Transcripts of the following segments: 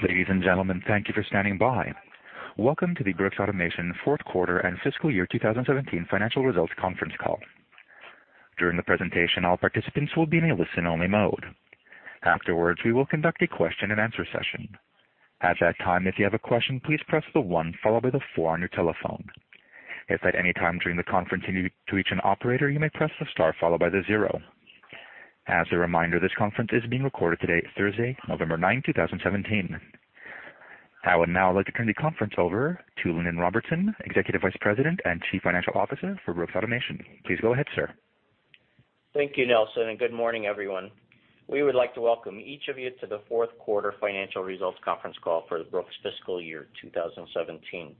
Ladies and gentlemen, thank you for standing by. Welcome to the Brooks Automation fourth quarter and fiscal year 2017 financial results conference call. During the presentation, all participants will be in a listen-only mode. Afterwards, we will conduct a question-and-answer session. At that time, if you have a question, please press the one followed by the four on your telephone. If at any time during the conference you need to reach an operator, you may press the star followed by the zero. As a reminder, this conference is being recorded today, Thursday, November 9, 2017. I would now like to turn the conference over to Lindon Robertson, Executive Vice President and Chief Financial Officer for Brooks Automation. Please go ahead, sir. Thank you, Nelson, and good morning, everyone. We would like to welcome each of you to the fourth quarter financial results conference call for the Brooks fiscal year 2017.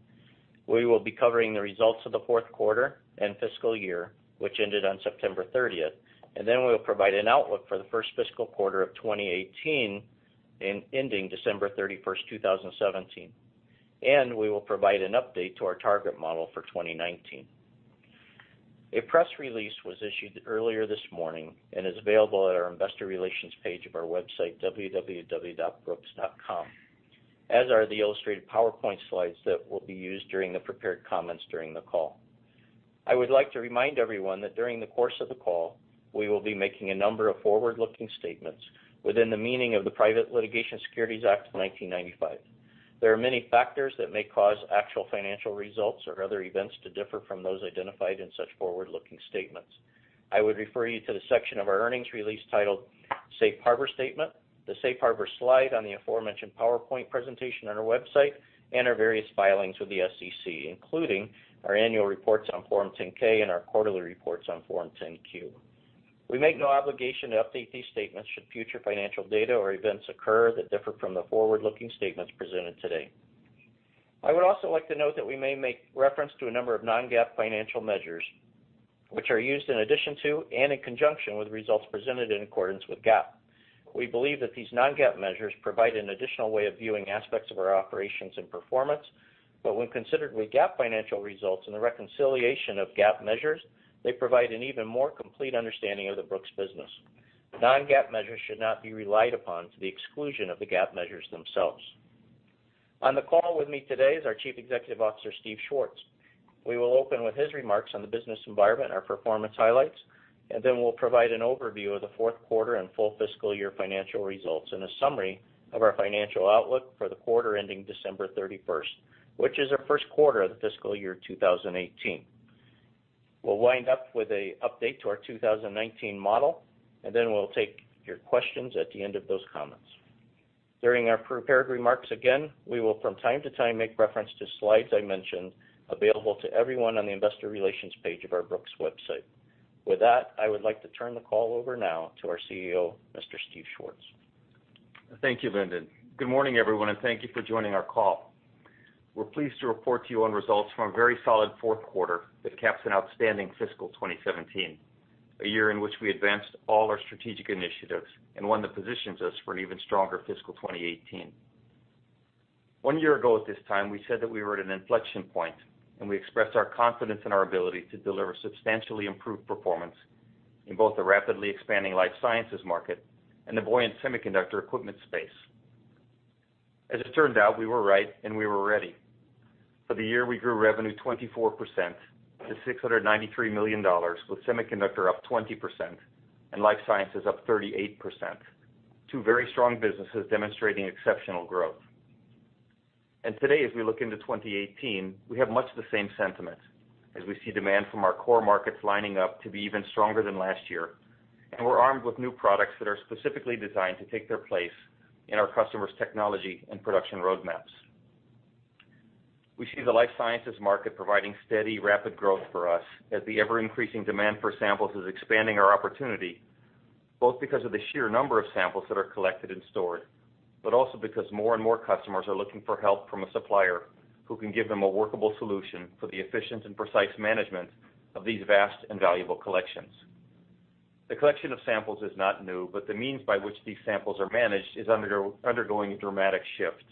We will be covering the results of the fourth quarter and fiscal year, which ended on September 30th, and then we will provide an outlook for the first fiscal quarter of 2018, ending December 31st, 2017. We will provide an update to our target model for 2019. A press release was issued earlier this morning and is available at our investor relations page of our website, www.brooks.com, as are the illustrated PowerPoint slides that will be used during the prepared comments during the call. I would like to remind everyone that during the course of the call, we will be making a number of forward-looking statements within the meaning of the Private Securities Litigation Reform Act of 1995. There are many factors that may cause actual financial results or other events to differ from those identified in such forward-looking statements. I would refer you to the section of our earnings release titled Safe Harbor Statement, the Safe Harbor slide on the aforementioned PowerPoint presentation on our website, and our various filings with the SEC, including our annual reports on Form 10-K and our quarterly reports on Form 10-Q. We make no obligation to update these statements should future financial data or events occur that differ from the forward-looking statements presented today. I would also like to note that we may make reference to a number of non-GAAP financial measures, which are used in addition to and in conjunction with results presented in accordance with GAAP. We believe that these non-GAAP measures provide an additional way of viewing aspects of our operations and performance, but when considered with GAAP financial results and the reconciliation of GAAP measures, they provide an even more complete understanding of the Brooks business. Non-GAAP measures should not be relied upon to the exclusion of the GAAP measures themselves. On the call with me today is our Chief Executive Officer, Steve Schwartz. We will open with his remarks on the business environment and our performance highlights, and then we'll provide an overview of the fourth quarter and full fiscal year financial results and a summary of our financial outlook for the quarter ending December 31st, which is our first quarter of the fiscal year 2018. We'll wind up with an update to our 2019 model, and then we'll take your questions at the end of those comments. During our prepared remarks, again, we will from time to time make reference to slides I mentioned available to everyone on the investor relations page of our Brooks Automation website. With that, I would like to turn the call over now to our CEO, Mr. Steve Schwartz. Thank you, Lindon. Good morning, everyone, thank you for joining our call. We're pleased to report to you on results from a very solid fourth quarter that caps an outstanding fiscal 2017, a year in which we advanced all our strategic initiatives and one that positions us for an even stronger fiscal 2018. One year ago at this time, we said that we were at an inflection point. We expressed our confidence in our ability to deliver substantially improved performance in both the rapidly expanding life sciences market and the buoyant semiconductor equipment space. As it turned out, we were right. We were ready. For the year, we grew revenue 24% to $693 million, with semiconductor up 20% and life sciences up 38%, two very strong businesses demonstrating exceptional growth. Today, as we look into 2018, we have much the same sentiment as we see demand from our core markets lining up to be even stronger than last year, and we're armed with new products that are specifically designed to take their place in our customers' technology and production roadmaps. We see the life sciences market providing steady, rapid growth for us as the ever-increasing demand for samples is expanding our opportunity, both because of the sheer number of samples that are collected and stored, but also because more and more customers are looking for help from a supplier who can give them a workable solution for the efficient and precise management of these vast and valuable collections. The collection of samples is not new, but the means by which these samples are managed is undergoing a dramatic shift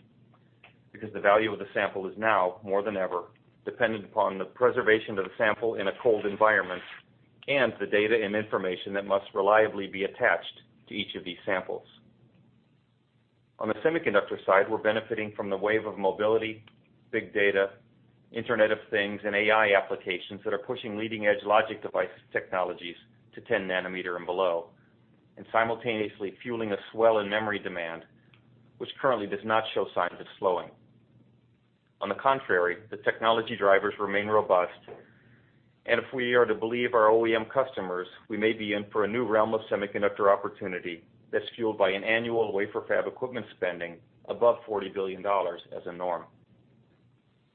because the value of the sample is now, more than ever, dependent upon the preservation of the sample in a cold environment and the data and information that must reliably be attached to each of these samples. On the semiconductor side, we're benefiting from the wave of mobility, big data, Internet of Things, and AI applications that are pushing leading-edge logic device technologies to 10 nanometer and below, and simultaneously fueling a swell in memory demand, which currently does not show signs of slowing. On the contrary, the technology drivers remain robust, and if we are to believe our OEM customers, we may be in for a new realm of semiconductor opportunity that's fueled by an annual wafer fab equipment spending above $40 billion as a norm.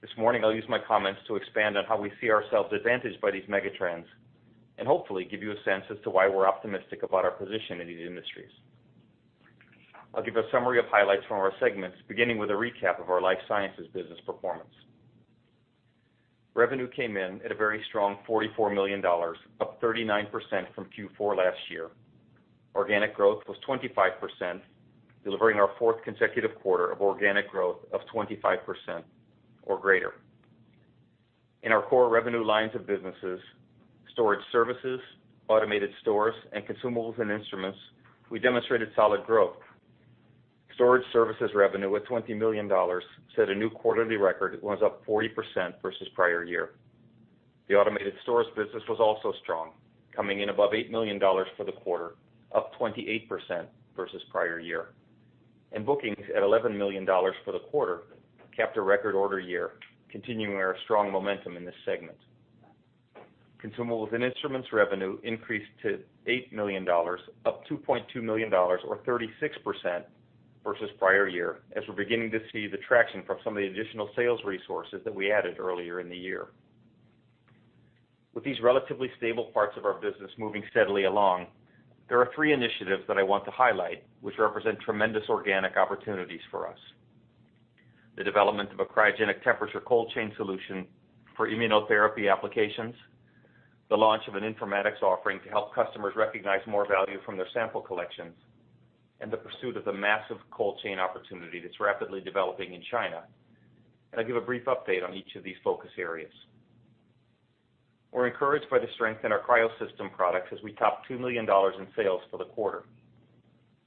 This morning, I'll use my comments to expand on how we see ourselves advantaged by these megatrends and hopefully give you a sense as to why we're optimistic about our position in these industries. I'll give a summary of highlights from our segments, beginning with a recap of our life sciences business performance. Revenue came in at a very strong $44 million, up 39% from Q4 last year. Organic growth was 25%, delivering our fourth consecutive quarter of organic growth of 25% or greater. In our core revenue lines of businesses, storage services, automated stores, and consumables and instruments, we demonstrated solid growth. Storage services revenue at $20 million set a new quarterly record. It was up 40% versus prior year. The automated stores business was also strong, coming in above $8 million for the quarter, up 28% versus prior year. Bookings at $11 million for the quarter, capped a record order year, continuing our strong momentum in this segment. Consumables and instruments revenue increased to $8 million, up $2.2 million, or 36%, versus prior year as we're beginning to see the traction from some of the additional sales resources that we added earlier in the year. With these relatively stable parts of our business moving steadily along, there are three initiatives that I want to highlight which represent tremendous organic opportunities for us. The development of a cryogenic temperature cold chain solution for immunotherapy applications, the launch of an informatics offering to help customers recognize more value from their sample collections, and the pursuit of the massive cold chain opportunity that's rapidly developing in China. I'll give a brief update on each of these focus areas. We're encouraged by the strength in our cryosystem products as we top $2 million in sales for the quarter.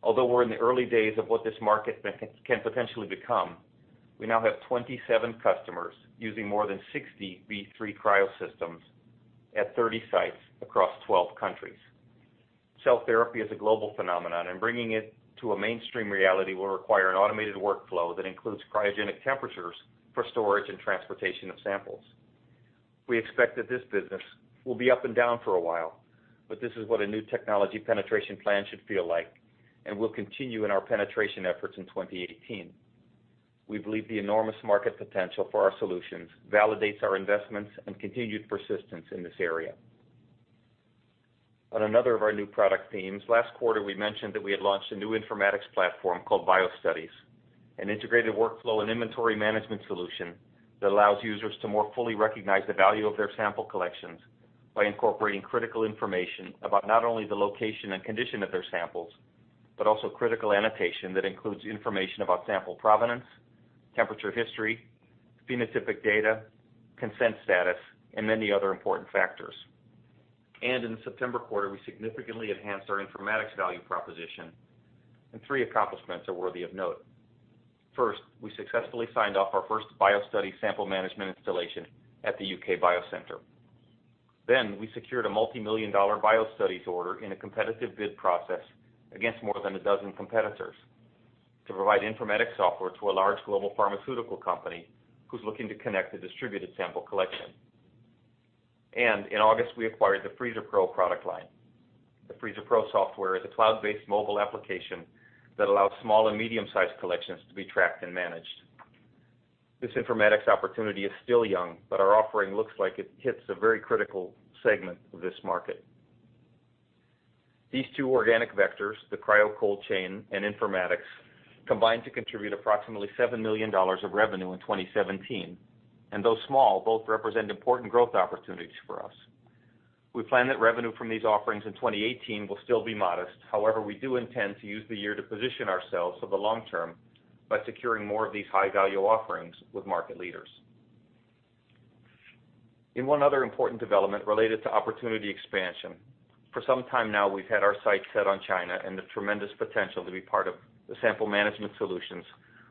Although we're in the early days of what this market can potentially become, we now have 27 customers using more than 60 V3 cryosystems at 30 sites across 12 countries. Cell therapy is a global phenomenon, and bringing it to a mainstream reality will require an automated workflow that includes cryogenic temperatures for storage and transportation of samples. We expect that this business will be up and down for a while, but this is what a new technology penetration plan should feel like, and we'll continue in our penetration efforts in 2018. We believe the enormous market potential for our solutions validates our investments and continued persistence in this area. On another of our new product themes, last quarter, we mentioned that we had launched a new informatics platform called BioStudies, an integrated workflow and inventory management solution that allows users to more fully recognize the value of their sample collections by incorporating critical information about not only the location and condition of their samples, but also critical annotation that includes information about sample provenance, temperature history, phenotypic data, consent status, and many other important factors. In the September quarter, we significantly enhanced our informatics value proposition, and three accomplishments are worthy of note. First, we successfully signed off our first BioStudies sample management installation at the UK Biocentre. We secured a multimillion-dollar BioStudies order in a competitive bid process against more than a dozen competitors to provide informatics software to a large global pharmaceutical company who's looking to connect a distributed sample collection. In August, we acquired the FreezerPro product line. The FreezerPro software is a cloud-based mobile application that allows small and medium-sized collections to be tracked and managed. This informatics opportunity is still young, but our offering looks like it hits a very critical segment of this market. These two organic vectors, the cryo cold chain and informatics, combined to contribute approximately $7 million of revenue in 2017. Though small, both represent important growth opportunities for us. We plan that revenue from these offerings in 2018 will still be modest. However, we do intend to use the year to position ourselves for the long term by securing more of these high-value offerings with market leaders. In one other important development related to opportunity expansion, for some time now, we've had our sights set on China and the tremendous potential to be part of the sample management solutions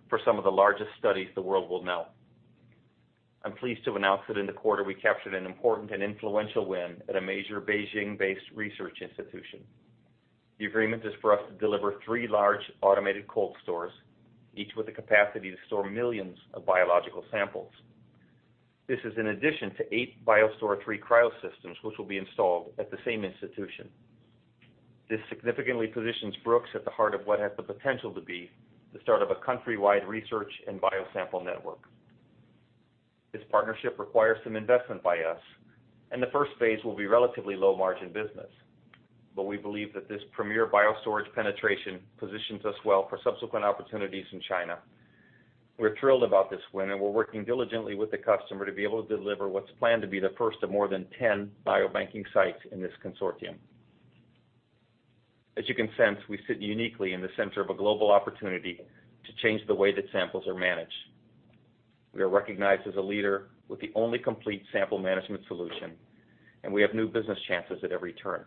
for some of the largest studies the world will know. I'm pleased to announce that in the quarter we captured an important and influential win at a major Beijing-based research institution. The agreement is for us to deliver three large automated cold stores, each with the capacity to store millions of biological samples. This is in addition to eight BioStore III cryosystems, which will be installed at the same institution. This significantly positions Brooks at the heart of what has the potential to be the start of a countrywide research and biosample network. This partnership requires some investment by us. The first phase will be relatively low-margin business, but we believe that this premier bio storage penetration positions us well for subsequent opportunities in China. We're thrilled about this win. We're working diligently with the customer to be able to deliver what's planned to be the first of more than 10 biobanking sites in this consortium. You can sense, we sit uniquely in the center of a global opportunity to change the way that samples are managed. We are recognized as a leader with the only complete sample management solution. We have new business chances at every turn.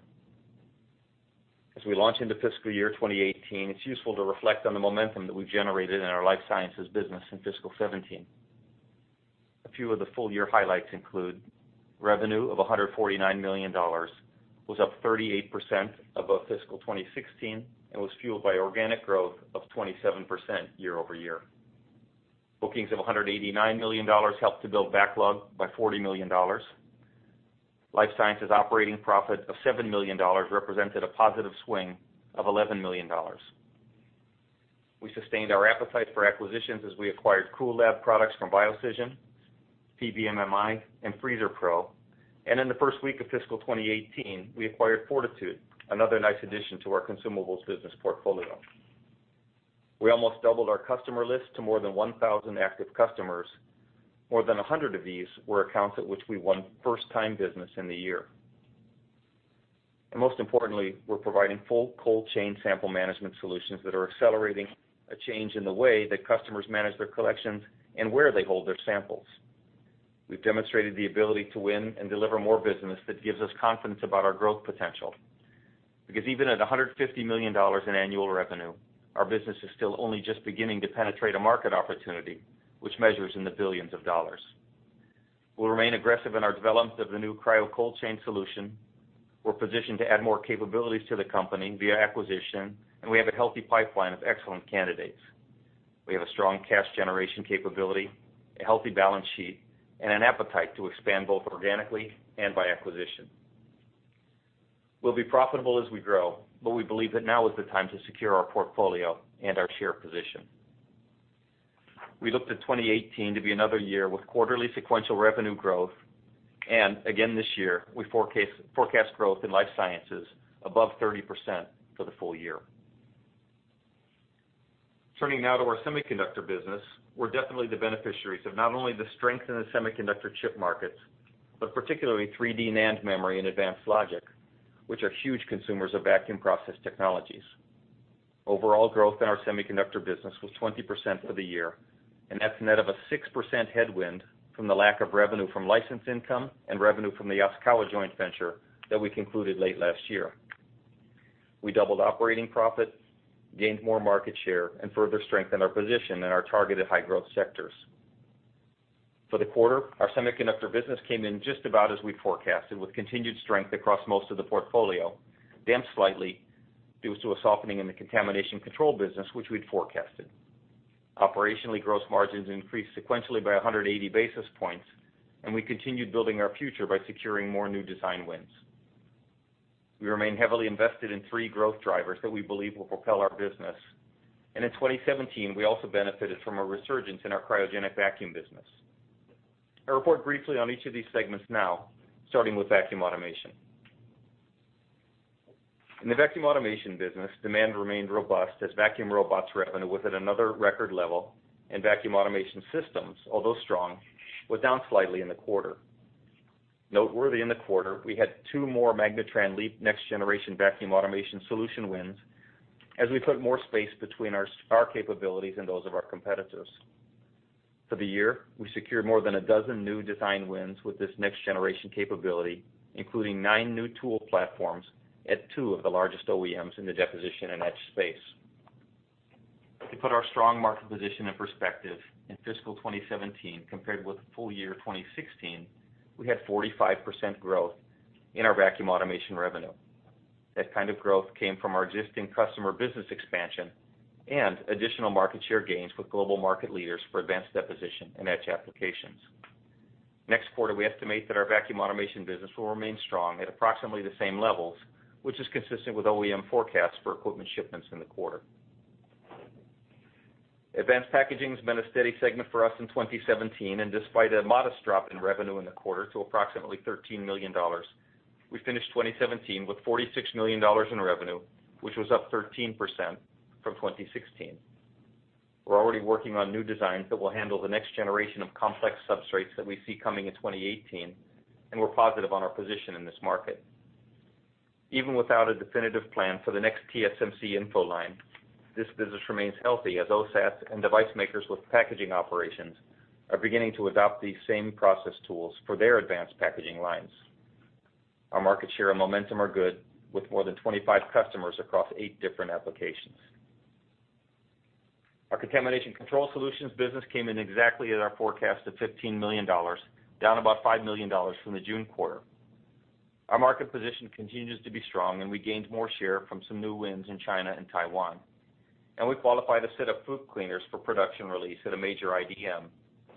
We launch into fiscal year 2018, it's useful to reflect on the momentum that we've generated in our life sciences business in fiscal 2017. A few of the full-year highlights include revenue of $149 million, was up 38% above fiscal 2016 and was fueled by organic growth of 27% year-over-year. Bookings of $189 million helped to build backlog by $40 million. Life sciences operating profit of $7 million represented a positive swing of $11 million. We sustained our appetite for acquisitions as we acquired Cool Lab, LLC from BioCision, PBMMI, and FreezerPro. In the first week of fiscal 2018, we acquired 4titude, another nice addition to our consumables business portfolio. We almost doubled our customer list to more than 1,000 active customers. More than 100 of these were accounts at which we won first-time business in the year. Most importantly, we're providing full cold chain sample management solutions that are accelerating a change in the way that customers manage their collections and where they hold their samples. We've demonstrated the ability to win and deliver more business that gives us confidence about our growth potential. Even at $150 million in annual revenue, our business is still only just beginning to penetrate a market opportunity which measures in the billions of dollars. We'll remain aggressive in our development of the new cryo cold chain solution. We're positioned to add more capabilities to the company via acquisition, and we have a healthy pipeline of excellent candidates. We have a strong cash generation capability, a healthy balance sheet, and an appetite to expand both organically and by acquisition. We'll be profitable as we grow, but we believe that now is the time to secure our portfolio and our share position. We looked at 2018 to be another year with quarterly sequential revenue growth. Again, this year, we forecast growth in life sciences above 30% for the full year. Turning now to our semiconductor business, we're definitely the beneficiaries of not only the strength in the semiconductor chip markets, but particularly 3D NAND memory and advanced logic, which are huge consumers of vacuum process technologies. Overall growth in our semiconductor business was 20% for the year. That's net of a 6% headwind from the lack of revenue from license income and revenue from the Yaskawa joint venture that we concluded late last year. We doubled operating profit, gained more market share, further strengthened our position in our targeted high-growth sectors. For the quarter, our semiconductor business came in just about as we forecasted, with continued strength across most of the portfolio, damped slightly due to a softening in the contamination control business, which we'd forecasted. Operationally, gross margins increased sequentially by 180 basis points. We continued building our future by securing more new design wins. We remain heavily invested in three growth drivers that we believe will propel our business. In 2017, we also benefited from a resurgence in our cryogenic vacuum business. I'll report briefly on each of these segments now, starting with vacuum automation. In the vacuum automation business, demand remained robust as vacuum robots revenue was at another record level. Vacuum automation systems, although strong, were down slightly in the quarter. Noteworthy in the quarter, we had two more MagnaTran LEAP next-generation vacuum automation solution wins, as we put more space between our capabilities and those of our competitors. For the year, we secured more than a dozen new design wins with this next-generation capability, including nine new tool platforms at two of the largest OEMs in the deposition and etch space. To put our strong market position in perspective, in fiscal 2017 compared with full year 2016, we had 45% growth in our vacuum automation revenue. That kind of growth came from our existing customer business expansion and additional market share gains with global market leaders for advanced deposition and etch applications. Next quarter, we estimate that our vacuum automation business will remain strong at approximately the same levels, which is consistent with OEM forecasts for equipment shipments in the quarter. Advanced packaging has been a steady segment for us in 2017. Despite a modest drop in revenue in the quarter to approximately $13 million, we finished 2017 with $46 million in revenue, which was up 13% from 2016. We're already working on new designs that will handle the next generation of complex substrates that we see coming in 2018. We're positive on our position in this market. Even without a definitive plan for the next TSMC InFO line, this business remains healthy as OSATs and device makers with packaging operations are beginning to adopt these same process tools for their advanced packaging lines. Our market share and momentum are good, with more than 25 customers across eight different applications. Our contamination control solutions business came in exactly at our forecast of $15 million, down about $5 million from the June quarter. Our market position continues to be strong, and we gained more share from some new wins in China and Taiwan. We qualified a set of FOUP cleaners for production release at a major IDM,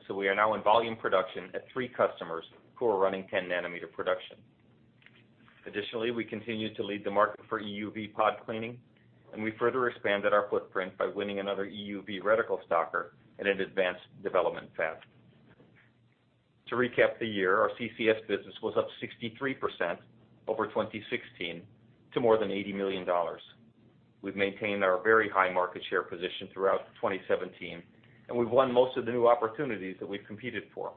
so we are now in volume production at three customers who are running 10-nanometer production. Additionally, we continue to lead the market for EUV pod cleaning, and we further expanded our footprint by winning another EUV reticle stocker at an advanced development fab. To recap the year, our CCS business was up 63% over 2016 to more than $80 million. We've maintained our very high market share position throughout 2017, and we've won most of the new opportunities that we've competed for.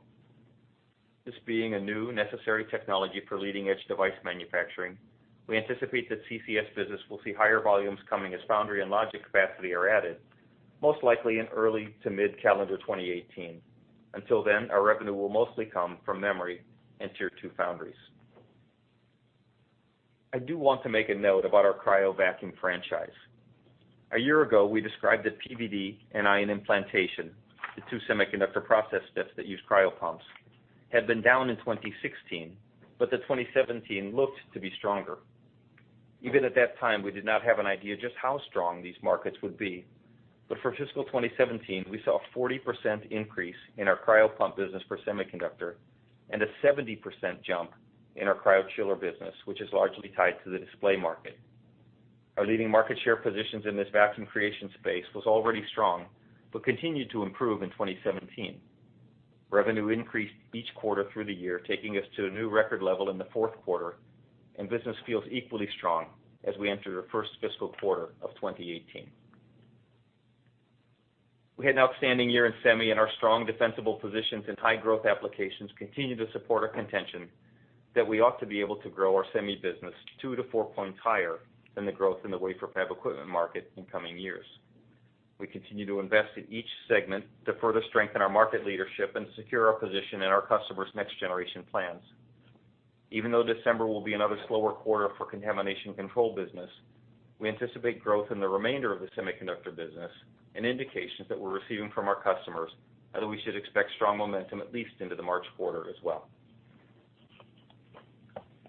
This being a new, necessary technology for leading-edge device manufacturing, we anticipate that CCS business will see higher volumes coming as foundry and logic capacity are added, most likely in early to mid calendar 2018. Until then, our revenue will mostly come from memory and tier 2 foundries. I do want to make a note about our cryo vac franchise. A year ago, we described that PVD and ion implantation, the two semiconductor process steps that use cryo pumps, had been down in 2016, but that 2017 looked to be stronger. Even at that time, we did not have an idea just how strong these markets would be, but for fiscal 2017, we saw a 40% increase in our cryo pump business for semiconductor and a 70% jump in our cryo chiller business, which is largely tied to the display market. Our leading market share positions in this vacuum creation space was already strong but continued to improve in 2017. Revenue increased each quarter through the year, taking us to a new record level in the fourth quarter, and business feels equally strong as we enter the first fiscal quarter of 2018. We had an outstanding year in semi. Our strong defensible positions in high growth applications continue to support our contention that we ought to be able to grow our semi business two to four points higher than the growth in the wafer fab equipment market in coming years. We continue to invest in each segment to further strengthen our market leadership and secure our position in our customers' next generation plans. Even though December will be another slower quarter for contamination control business, we anticipate growth in the remainder of the semiconductor business and indications that we're receiving from our customers that we should expect strong momentum at least into the March quarter as well.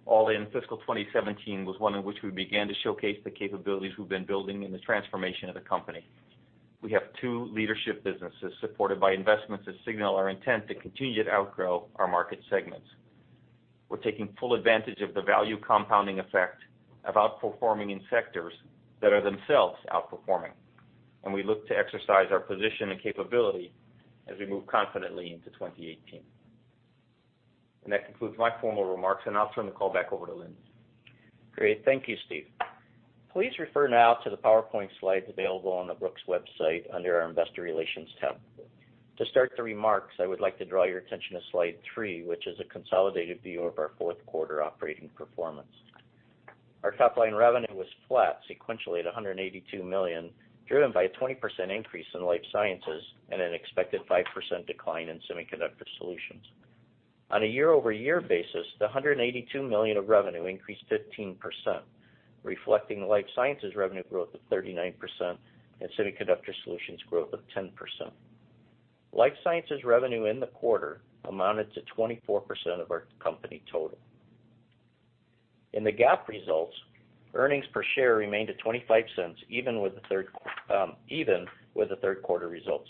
All in fiscal 2017 was one in which we began to showcase the capabilities we've been building in the transformation of the company. We have two leadership businesses supported by investments that signal our intent to continue to outgrow our market segments. We're taking full advantage of the value compounding effect of outperforming in sectors that are themselves outperforming, and we look to exercise our position and capability as we move confidently into 2018. That concludes my formal remarks, and I'll turn the call back over to Lindon. Great. Thank you, Steve. Please refer now to the PowerPoint slides available on the Brooks website under our investor relations tab. To start the remarks, I would like to draw your attention to slide three, which is a consolidated view of our fourth quarter operating performance. Our top-line revenue was flat sequentially at $182 million, driven by a 20% increase in life sciences and an expected 5% decline in semiconductor solutions. On a year-over-year basis, the $182 million of revenue increased 15%, reflecting the life sciences revenue growth of 39% and semiconductor solutions growth of 10%. Life sciences revenue in the quarter amounted to 24% of our company total. In the GAAP results, earnings per share remained at $0.25 even with the third quarter results.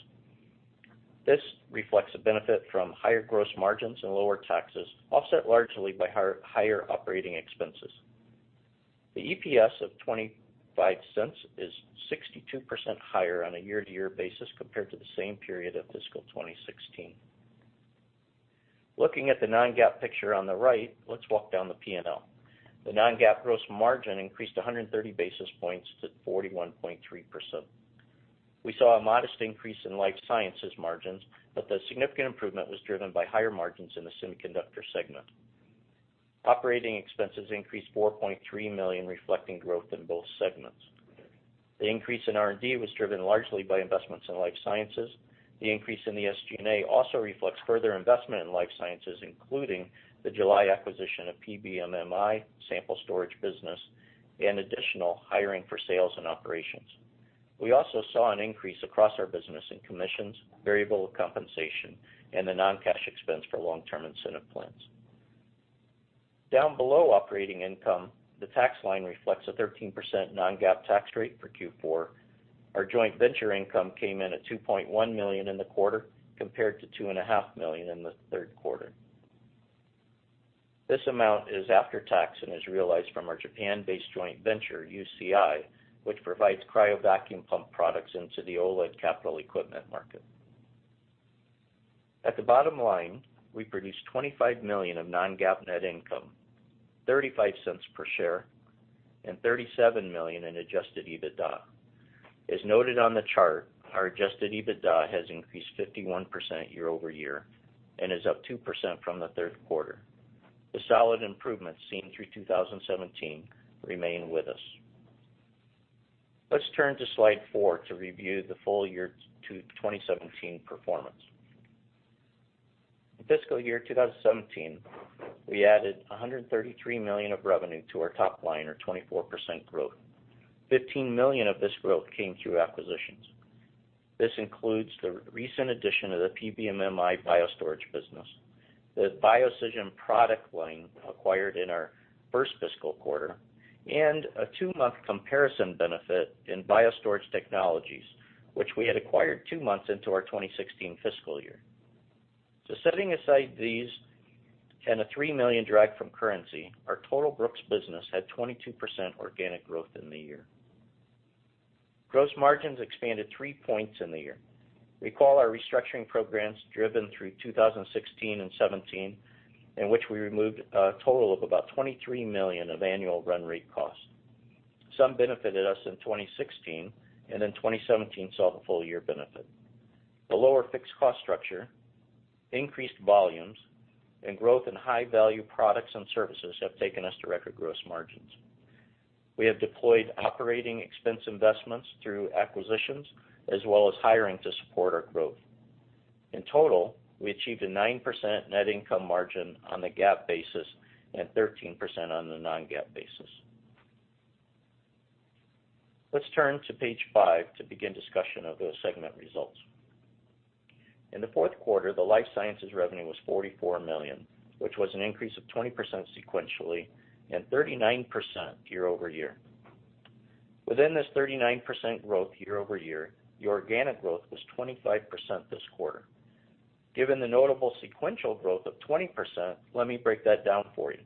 This reflects a benefit from higher gross margins and lower taxes, offset largely by higher operating expenses. The EPS of $0.25 is 62% higher on a year-to-year basis compared to the same period of fiscal 2016. Looking at the non-GAAP picture on the right, let's walk down the P&L. The non-GAAP gross margin increased 130 basis points to 41.3%. We saw a modest increase in life sciences margins, but the significant improvement was driven by higher margins in the semiconductor segment. Operating expenses increased $4.3 million, reflecting growth in both segments. The increase in R&D was driven largely by investments in life sciences. The increase in the SG&A also reflects further investment in life sciences, including the July acquisition of PBMMI sample storage business and additional hiring for sales and operations. We also saw an increase across our business in commissions, variable compensation, and the non-cash expense for long-term incentive plans. Down below operating income, the tax line reflects a 13% non-GAAP tax rate for Q4. Our joint venture income came in at $2.1 million in the quarter, compared to $2.5 million in the third quarter. This amount is after tax and is realized from our Japan-based joint venture, UCI, which provides cryo vacuum pump products into the OLED capital equipment market. At the bottom line, we produced $25 million of non-GAAP net income, $0.35 per share, and $37 million in adjusted EBITDA. As noted on the chart, our adjusted EBITDA has increased 51% year-over-year and is up 2% from the third quarter. The solid improvements seen through 2017 remain with us. Let's turn to slide four to review the full year 2017 performance. In fiscal year 2017, we added $133 million of revenue to our top line, or 24% growth. $15 million of this growth came through acquisitions. This includes the recent addition of the PBMMI BioStorage business, the BioCision product line acquired in our first fiscal quarter, and a two-month comparison benefit in BioStorage Technologies, which we had acquired two months into our 2016 fiscal year. Setting aside these and a $3 million drag from currency, our total Brooks business had 22% organic growth in the year. Gross margins expanded three points in the year. Recall our restructuring programs driven through 2016 and 2017, in which we removed a total of about $23 million of annual run rate cost. Some benefited us in 2016, and in 2017, saw the full year benefit. The lower fixed cost structure, increased volumes, and growth in high-value products and services have taken us to record gross margins. We have deployed operating expense investments through acquisitions as well as hiring to support our growth. In total, we achieved a 9% net income margin on the GAAP basis and 13% on the non-GAAP basis. Let's turn to page five to begin discussion of those segment results. In the fourth quarter, the life sciences revenue was $44 million, which was an increase of 20% sequentially and 39% year-over-year. Within this 39% growth year-over-year, the organic growth was 25% this quarter. Given the notable sequential growth of 20%, let me break that down for you.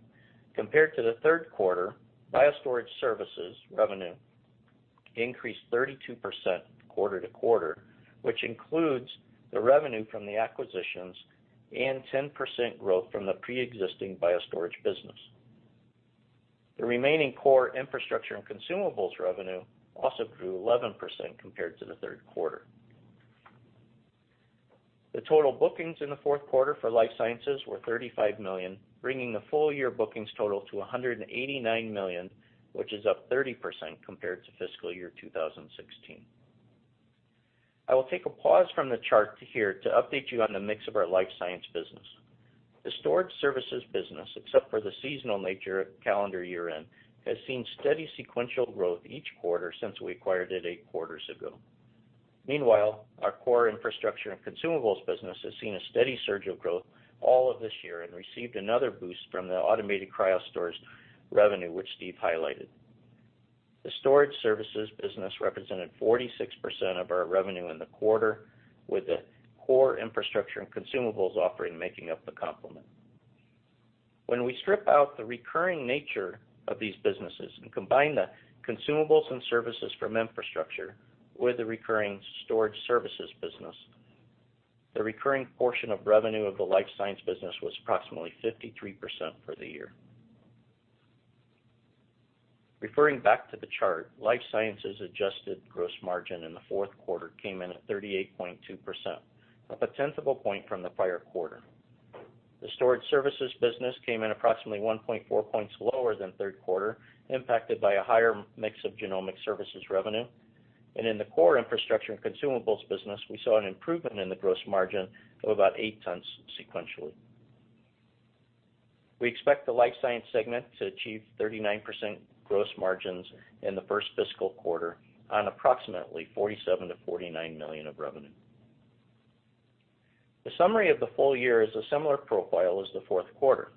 Compared to the third quarter, BioStorage Services revenue increased 32% quarter-to-quarter, which includes the revenue from the acquisitions and 10% growth from the preexisting BioStorage business. The remaining core infrastructure and consumables revenue also grew 11% compared to the third quarter. The total bookings in the fourth quarter for life sciences were $35 million, bringing the full-year bookings total to $189 million, which is up 30% compared to fiscal year 2016. I will take a pause from the chart here to update you on the mix of our life science business. The storage services business, except for the seasonal nature at calendar year-end, has seen steady sequential growth each quarter since we acquired it eight quarters ago. Meanwhile, our core infrastructure and consumables business has seen a steady surge of growth all of this year and received another boost from the automated cryostorage revenue, which Steve highlighted. The storage services business represented 46% of our revenue in the quarter, with the core infrastructure and consumables offering making up the complement. When we strip out the recurring nature of these businesses and combine the consumables and services from infrastructure with the recurring storage services business, the recurring portion of revenue of the life science business was approximately 53% for the year. Referring back to the chart, life sciences adjusted gross margin in the fourth quarter came in at 38.2%, up a tenth of a point from the prior quarter. The storage services business came in approximately 1.4 points lower than third quarter, impacted by a higher mix of genomic services revenue. In the core infrastructure and consumables business, we saw an improvement in the gross margin of about 8/10 sequentially. We expect the life science segment to achieve 39% gross margins in the first fiscal quarter on approximately $47 million-$49 million of revenue. The summary of the full year is a similar profile as the fourth quarter,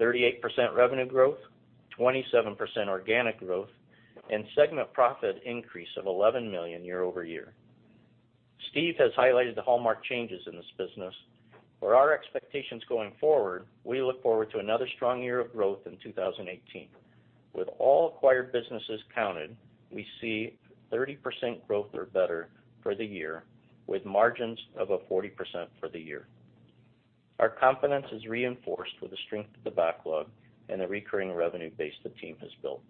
38% revenue growth, 27% organic growth, and segment profit increase of $11 million year-over-year. Steve has highlighted the hallmark changes in this business. For our expectations going forward, we look forward to another strong year of growth in 2018. With all acquired businesses counted, we see 30% growth or better for the year, with margins of a 40% for the year. Our confidence is reinforced with the strength of the backlog and the recurring revenue base the team has built.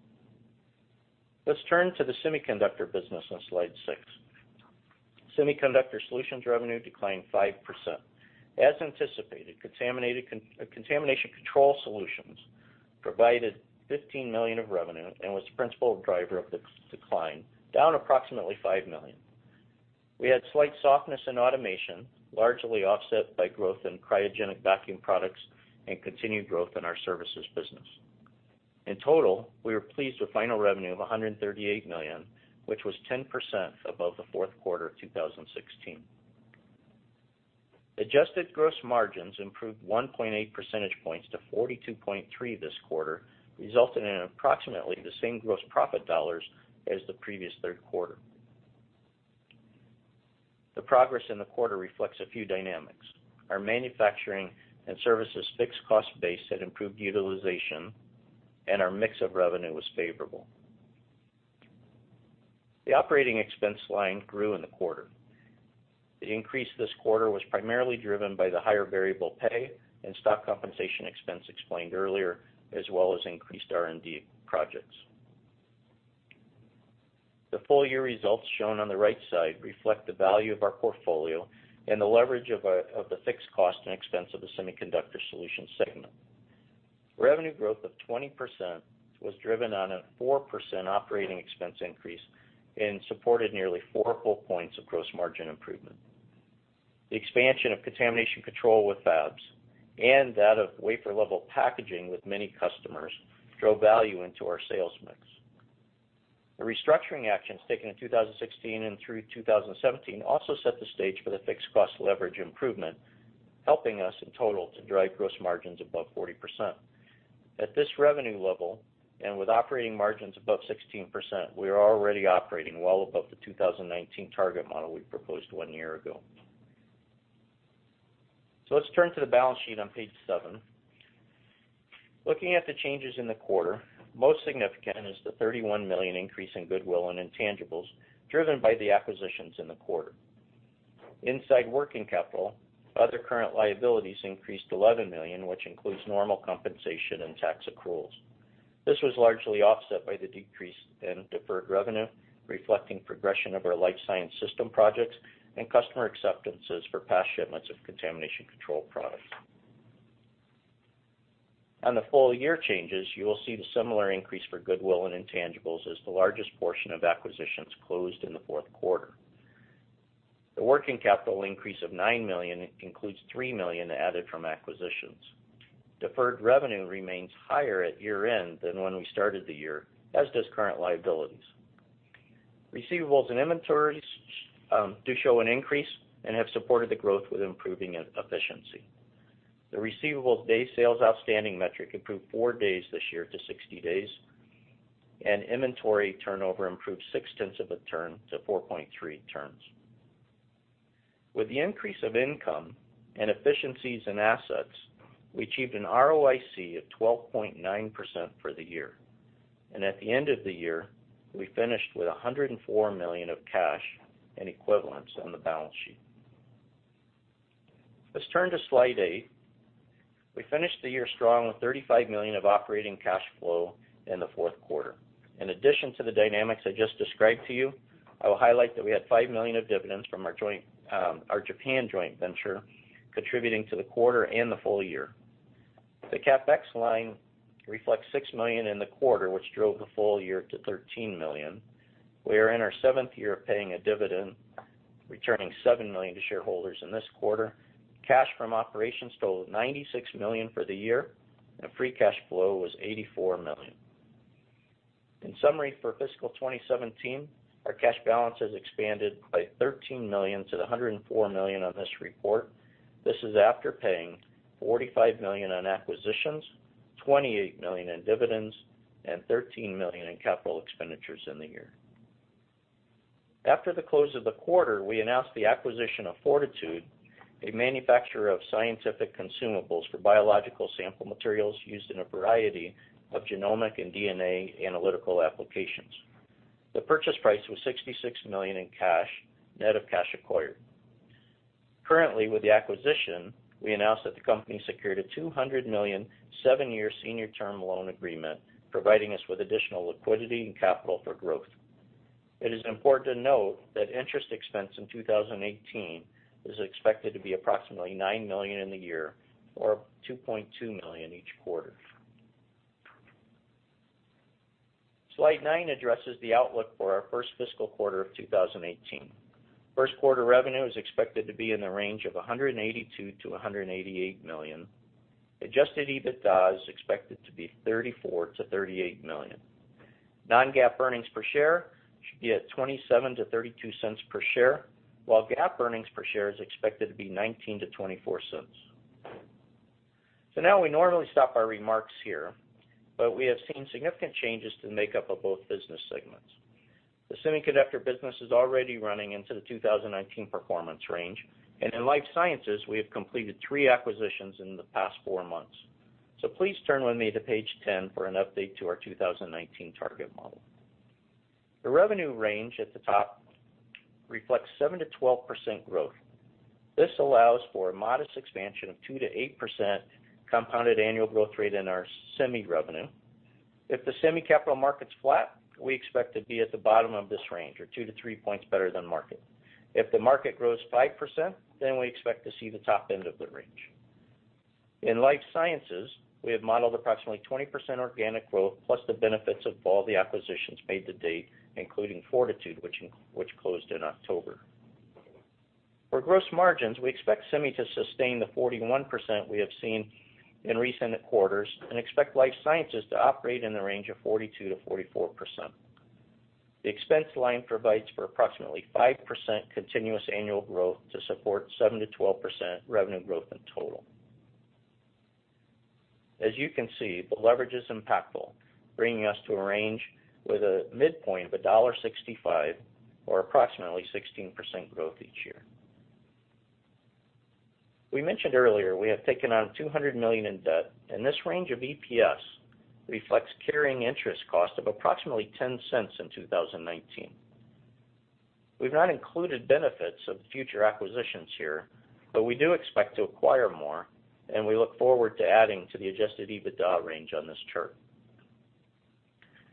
Let's turn to the Semiconductor Solutions business on slide six. Semiconductor Solutions revenue declined 5%. As anticipated, contamination control solutions provided $15 million of revenue and was the principal driver of the decline, down approximately $5 million. We had slight softness in automation, largely offset by growth in cryogenic vacuum products and continued growth in our services business. In total, we were pleased with final revenue of $138 million, which was 10% above the fourth quarter 2016. Adjusted gross margins improved 1.8 percentage points to 42.3% this quarter, resulting in approximately the same gross profit dollars as the previous third quarter. The progress in the quarter reflects a few dynamics. Our manufacturing and services fixed cost base had improved utilization, and our mix of revenue was favorable. The operating expense line grew in the quarter. The increase this quarter was primarily driven by the higher variable pay and stock compensation expense explained earlier, as well as increased R&D projects. The full-year results shown on the right side reflect the value of our portfolio and the leverage of the fixed cost and expense of the Semiconductor Solutions segment. Revenue growth of 20% was driven on a 4% operating expense increase and supported nearly four whole points of gross margin improvement. The expansion of contamination control with fabs and that of wafer level packaging with many customers drove value into our sales mix. The restructuring actions taken in 2016 and through 2017 also set the stage for the fixed cost leverage improvement, helping us in total to drive gross margins above 40%. At this revenue level, and with operating margins above 16%, we are already operating well above the 2019 target model we proposed one year ago. Let's turn to the balance sheet on page seven. Looking at the changes in the quarter, most significant is the $31 million increase in goodwill and intangibles driven by the acquisitions in the quarter. Inside working capital, other current liabilities increased $11 million, which includes normal compensation and tax accruals. This was largely offset by the decrease in deferred revenue, reflecting progression of our Life Science Systems projects and customer acceptances for past shipments of contamination control products. On the full-year changes, you will see the similar increase for goodwill and intangibles as the largest portion of acquisitions closed in the fourth quarter. The working capital increase of $9 million includes $3 million added from acquisitions. Deferred revenue remains higher at year-end than when we started the year, as does current liabilities. Receivables and inventories do show an increase and have supported the growth with improving efficiency. The receivables day sales outstanding metric improved four days this year to 60 days, and inventory turnover improved 6/10 of a turn to 4.3 turns. With the increase of income and efficiencies in assets, we achieved an ROIC of 12.9% for the year. At the end of the year, we finished with $104 million of cash and equivalents on the balance sheet. Let's turn to slide eight. We finished the year strong with $35 million of operating cash flow in the fourth quarter. In addition to the dynamics I just described to you, I will highlight that we had $5 million of dividends from our Japan joint venture contributing to the quarter and the full year. The CapEx line reflects $6 million in the quarter, which drove the full year to $13 million. We are in our seventh year of paying a dividend, returning $7 million to shareholders in this quarter. Cash from operations totaled $96 million for the year, and free cash flow was $84 million. In summary, for fiscal 2017, our cash balance has expanded by $13 million to the $104 million on this report. This is after paying $45 million on acquisitions, $28 million in dividends, and $13 million in capital expenditures in the year. After the close of the quarter, we announced the acquisition of 4titude, a manufacturer of scientific consumables for biological sample materials used in a variety of genomic and DNA analytical applications. The purchase price was $66 million in cash, net of cash acquired. Currently, with the acquisition, we announced that the company secured a $200 million, seven-year senior term loan agreement providing us with additional liquidity and capital for growth. It is important to note that interest expense in 2018 is expected to be approximately $9 million in the year or $2.2 million each quarter. Slide nine addresses the outlook for our first fiscal quarter of 2018. First quarter revenue is expected to be in the range of $182 million-$188 million. Adjusted EBITDA is expected to be $34 million-$38 million. Non-GAAP earnings per share should be at $0.27-$0.32 per share, while GAAP earnings per share is expected to be $0.19-$0.24. Now we normally stop our remarks here, but we have seen significant changes to the makeup of both business segments. The semiconductor business is already running into the 2019 performance range, and in life sciences, we have completed three acquisitions in the past four months. Please turn with me to page 10 for an update to our 2019 target model. The revenue range at the top reflects 7%-12% growth. This allows for a modest expansion of 2%-8% compounded annual growth rate in our semi revenue. If the semi capital market's flat, we expect to be at the bottom of this range, or two to three points better than market. If the market grows 5%, we expect to see the top end of the range. In life sciences, we have modeled approximately 20% organic growth plus the benefits of all the acquisitions made to date, including 4titude, which closed in October. For gross margins, we expect semi to sustain the 41% we have seen in recent quarters and expect life sciences to operate in the range of 42%-44%. The expense line provides for approximately 5% continuous annual growth to support 7%-12% revenue growth in total. As you can see, the leverage is impactful, bringing us to a range with a midpoint of $1.65 or approximately 16% growth each year. We mentioned earlier we have taken on $200 million in debt. This range of EPS reflects carrying interest cost of approximately $0.10 in 2019. We have not included benefits of future acquisitions here, but we do expect to acquire more. We look forward to adding to the adjusted EBITDA range on this chart.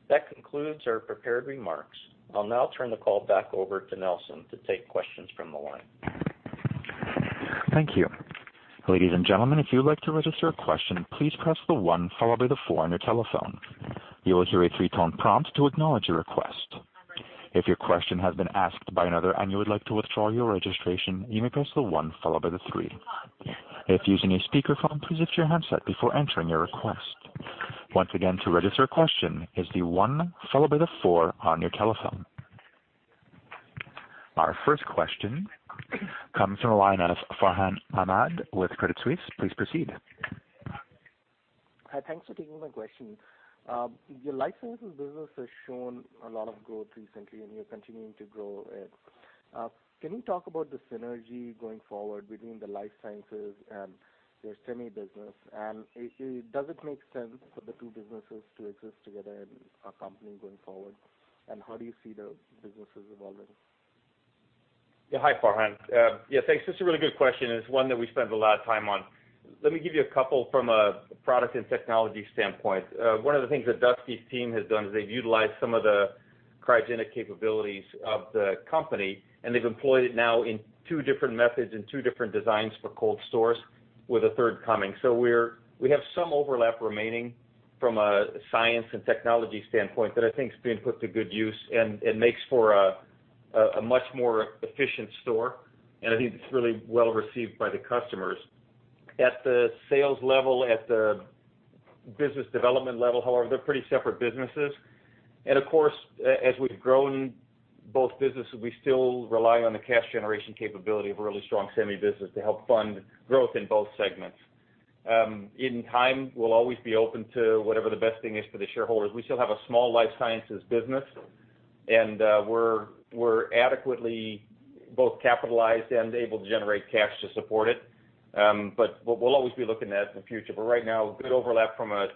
That concludes our prepared remarks. I will now turn the call back over to Nelson to take questions from the line. Thank you. Ladies and gentlemen, if you would like to register a question, please press the one followed by the four on your telephone. You will hear a three-tone prompt to acknowledge your request. If your question has been asked by another and you would like to withdraw your registration, you may press the one followed by the three. If using a speakerphone, please lift your handset before entering your request. Once again, to register a question, it is the one followed by the four on your telephone. Our first question comes from the line of Farhan Ahmad with Credit Suisse. Please proceed. Hi, thanks for taking my question. Your life sciences business has shown a lot of growth recently, and you are continuing to grow it. Can you talk about the synergy going forward between the life sciences and your semi business? Does it make sense for the two businesses to exist together in our company going forward? How do you see the businesses evolving? Hi, Farhan. Thanks. It is a really good question. It is one that we spend a lot of time on. Let me give you a couple from a product and technology standpoint. One of the things that Dusty's team has done is they have utilized some of the cryogenic capabilities of the company. They have employed it now in two different methods, in two different designs for cold stores with a third coming. We have some overlap remaining from a science and technology standpoint that I think is being put to good use and makes for a much more efficient store. I think it is really well received by the customers. At the sales level, at the business development level, however, they are pretty separate businesses. As we've grown both businesses, we still rely on the cash generation capability of a really strong semi business to help fund growth in both segments. In time, we'll always be open to whatever the best thing is for the shareholders. We still have a small life sciences business, and we're adequately both capitalized and able to generate cash to support it. We'll always be looking at it in the future. Right now, good overlap from a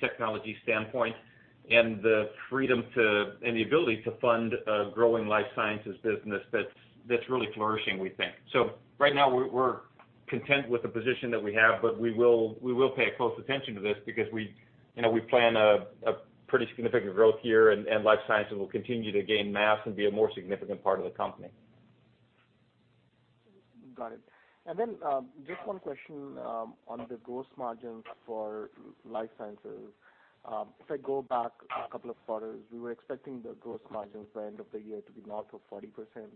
Technology standpoint, the freedom and the ability to fund a growing life sciences business that's really flourishing, we think. Right now, we're content with the position that we have, we will pay close attention to this because we plan a pretty significant growth here, and life sciences will continue to gain mass and be a more significant part of the company. Got it. Just one question on the gross margins for life sciences. If I go back a couple of quarters, we were expecting the gross margins by end of the year to be north of 40%,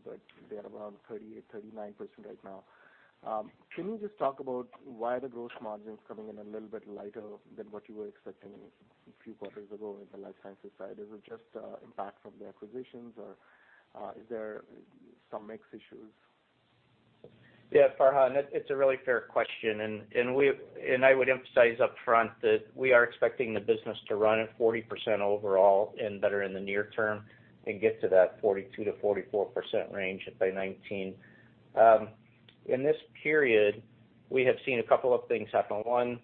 but they're around 38%, 39% right now. Can you just talk about why the gross margin's coming in a little bit lighter than what you were expecting a few quarters ago in the life sciences side? Is it just impact from the acquisitions, or is there some mix issues? Yeah, Farhan, it's a really fair question. I would emphasize upfront that we are expecting the business to run at 40% overall, and that are in the near term, and get to that 42%-44% range by 2019. In this period, we have seen a couple of things happen. One,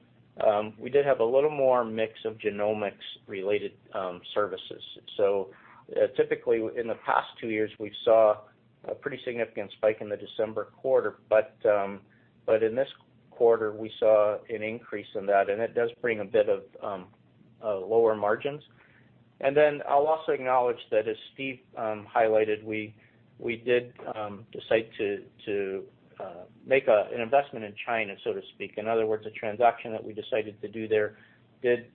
we did have a little more mix of genomics-related services. Typically, in the past two years, we saw a pretty significant spike in the December quarter. In this quarter, we saw an increase in that, and it does bring a bit of lower margins. I'll also acknowledge that as Steve highlighted, we did decide to make an investment in China, so to speak. In other words, a transaction that we decided to do there did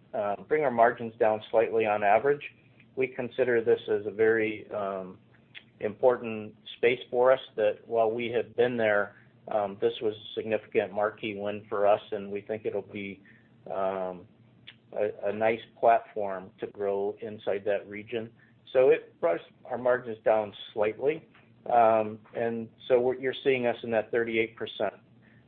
bring our margins down slightly on average. We consider this as a very important space for us, that while we have been there, this was a significant marquee win for us, and we think it'll be a nice platform to grow inside that region. It brought our margins down slightly. You're seeing us in that 38%.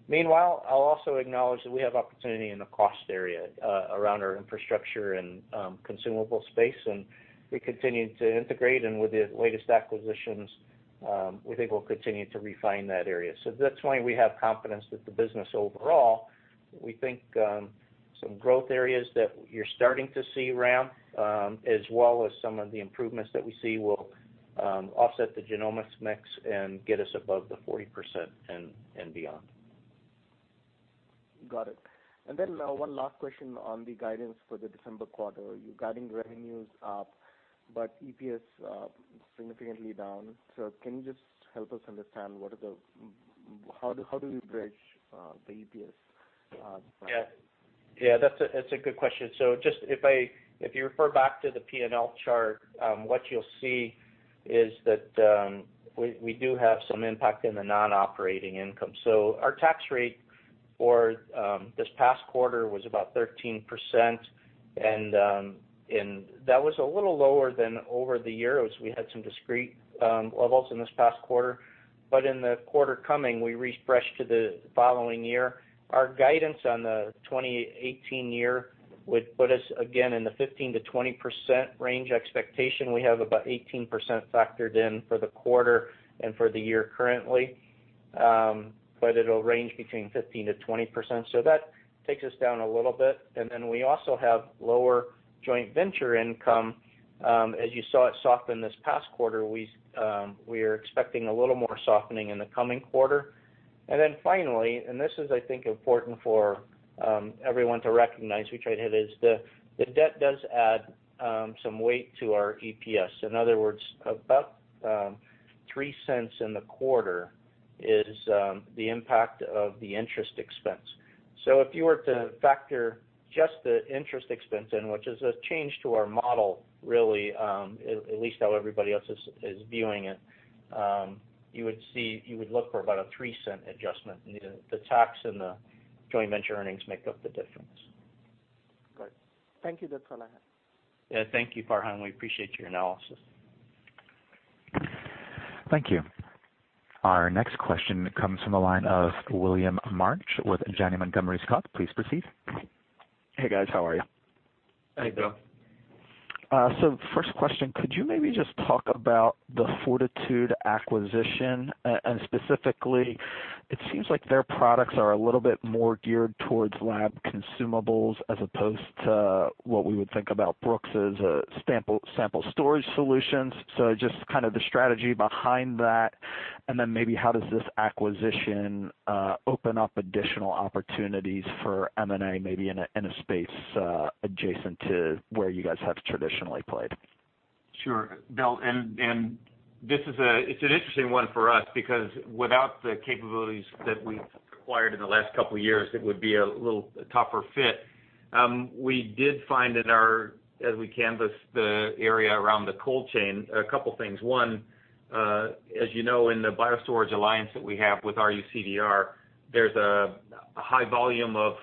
Meanwhile, I'll also acknowledge that we have opportunity in the cost area around our infrastructure and consumable space, and we continue to integrate. With the latest acquisitions, we think we'll continue to refine that area. That's why we have confidence that the business overall, we think some growth areas that you're starting to see ramp, as well as some of the improvements that we see will offset the genomics mix and get us above the 40% and beyond. Got it. One last question on the guidance for the December quarter. You're guiding revenues up, but EPS significantly down. Can you just help us understand how do you bridge the EPS? Yeah. That's a good question. Just if you refer back to the P&L chart, what you'll see is that we do have some impact in the non-operating income. Our tax rate for this past quarter was about 13%, and that was a little lower than over the year as we had some discrete levels in this past quarter. In the quarter coming, we refresh to the following year. Our guidance on the 2018 year would put us again in the 15%-20% range expectation. We have about 18% factored in for the quarter and for the year currently. But it'll range between 15%-20%. That takes us down a little bit. We also have lower joint venture income. As you saw, it softened this past quarter. We are expecting a little more softening in the coming quarter. Finally, and this is, I think, important for everyone to recognize, which I'd hit, is the debt does add some weight to our EPS. In other words, about $0.03 in the quarter is the impact of the interest expense. If you were to factor just the interest expense in, which is a change to our model, really, at least how everybody else is viewing it, you would look for about a $0.03 adjustment. The tax and the joint venture earnings make up the difference. Got it. Thank you. That's all I have. Yeah. Thank you, Farhan. We appreciate your analysis. Thank you. Our next question comes from the line of William March with Janney Montgomery Scott. Please proceed. Hey, guys. How are you? Hey, Bill. First question, could you maybe just talk about the 4titude acquisition? Specifically, it seems like their products are a little bit more geared towards lab consumables as opposed to what we would think about Brooks' sample storage solutions. Just kind of the strategy behind that, then maybe how does this acquisition open up additional opportunities for M&A, maybe in a space adjacent to where you guys have traditionally played? Sure, Bill. It's an interesting one for us because without the capabilities that we've acquired in the last couple of years, it would be a little tougher fit. We did find, as we canvassed the area around the cold chain, a couple of things. One, as you know, in the BioStorage alliance that we have with RUCDR, there's a high volume of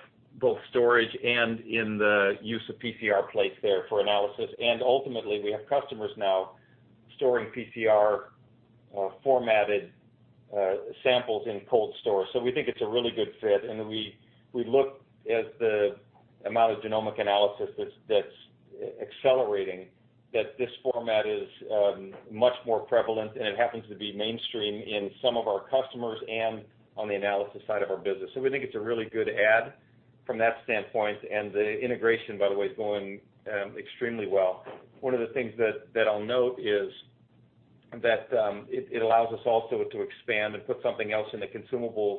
both storage and in the use of PCR plates there for analysis. Ultimately, we have customers now storing PCR-formatted samples in cold storage. We think it's a really good fit. We look at the amount of genomic analysis that's Accelerating, that this format is much more prevalent, it happens to be mainstream in some of our customers and on the analysis side of our business. We think it's a really good add from that standpoint. The integration, by the way, is going extremely well. One of the things that I'll note is that it allows us also to expand and put something else in the consumables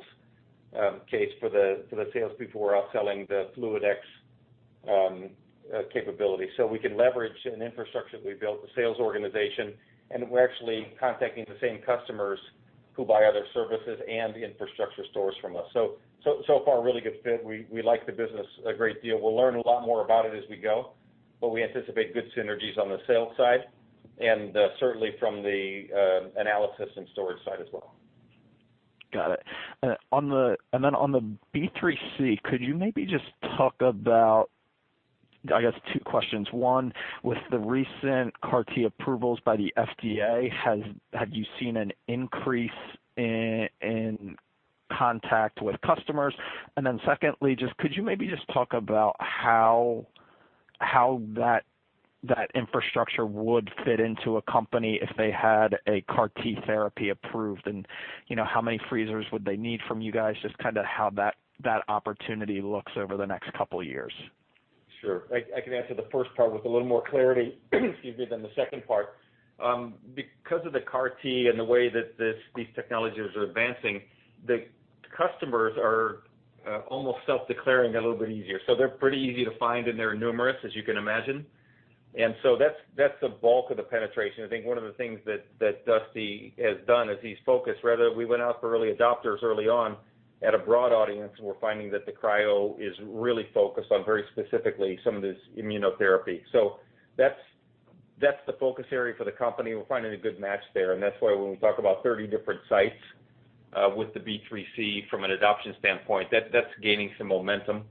case for the sales people who are out selling the FluidX capability. We can leverage an infrastructure that we built, the sales organization, and we're actually contacting the same customers who buy other services and the infrastructure storage from us. So far, really good fit. We like the business a great deal. We'll learn a lot more about it as we go. We anticipate good synergies on the sales side, and certainly from the analysis and storage side as well. Got it. On the B3C, could you maybe just talk about, I guess two questions. One, with the recent CAR T approvals by the FDA, have you seen an increase in contact with customers? Secondly, just could you maybe just talk about how that infrastructure would fit into a company if they had a CAR T therapy approved, and how many freezers would they need from you guys? Just how that opportunity looks over the next couple of years. Sure. I can answer the first part with a little more clarity, excuse me, than the second part. Because of the CAR T and the way that these technologies are advancing, the customers are almost self-declaring a little bit easier. They're pretty easy to find, and they're numerous, as you can imagine. That's the bulk of the penetration. I think one of the things that Dusty has done is he's focused. Rather, we went out for early adopters early on at a broad audience, and we're finding that the cryo is really focused on very specifically some of this immunotherapy. That's the focus area for the company. We're finding a good match there, and that's why when we talk about 30 different sites, with the B3C from an adoption standpoint, that's gaining some momentum,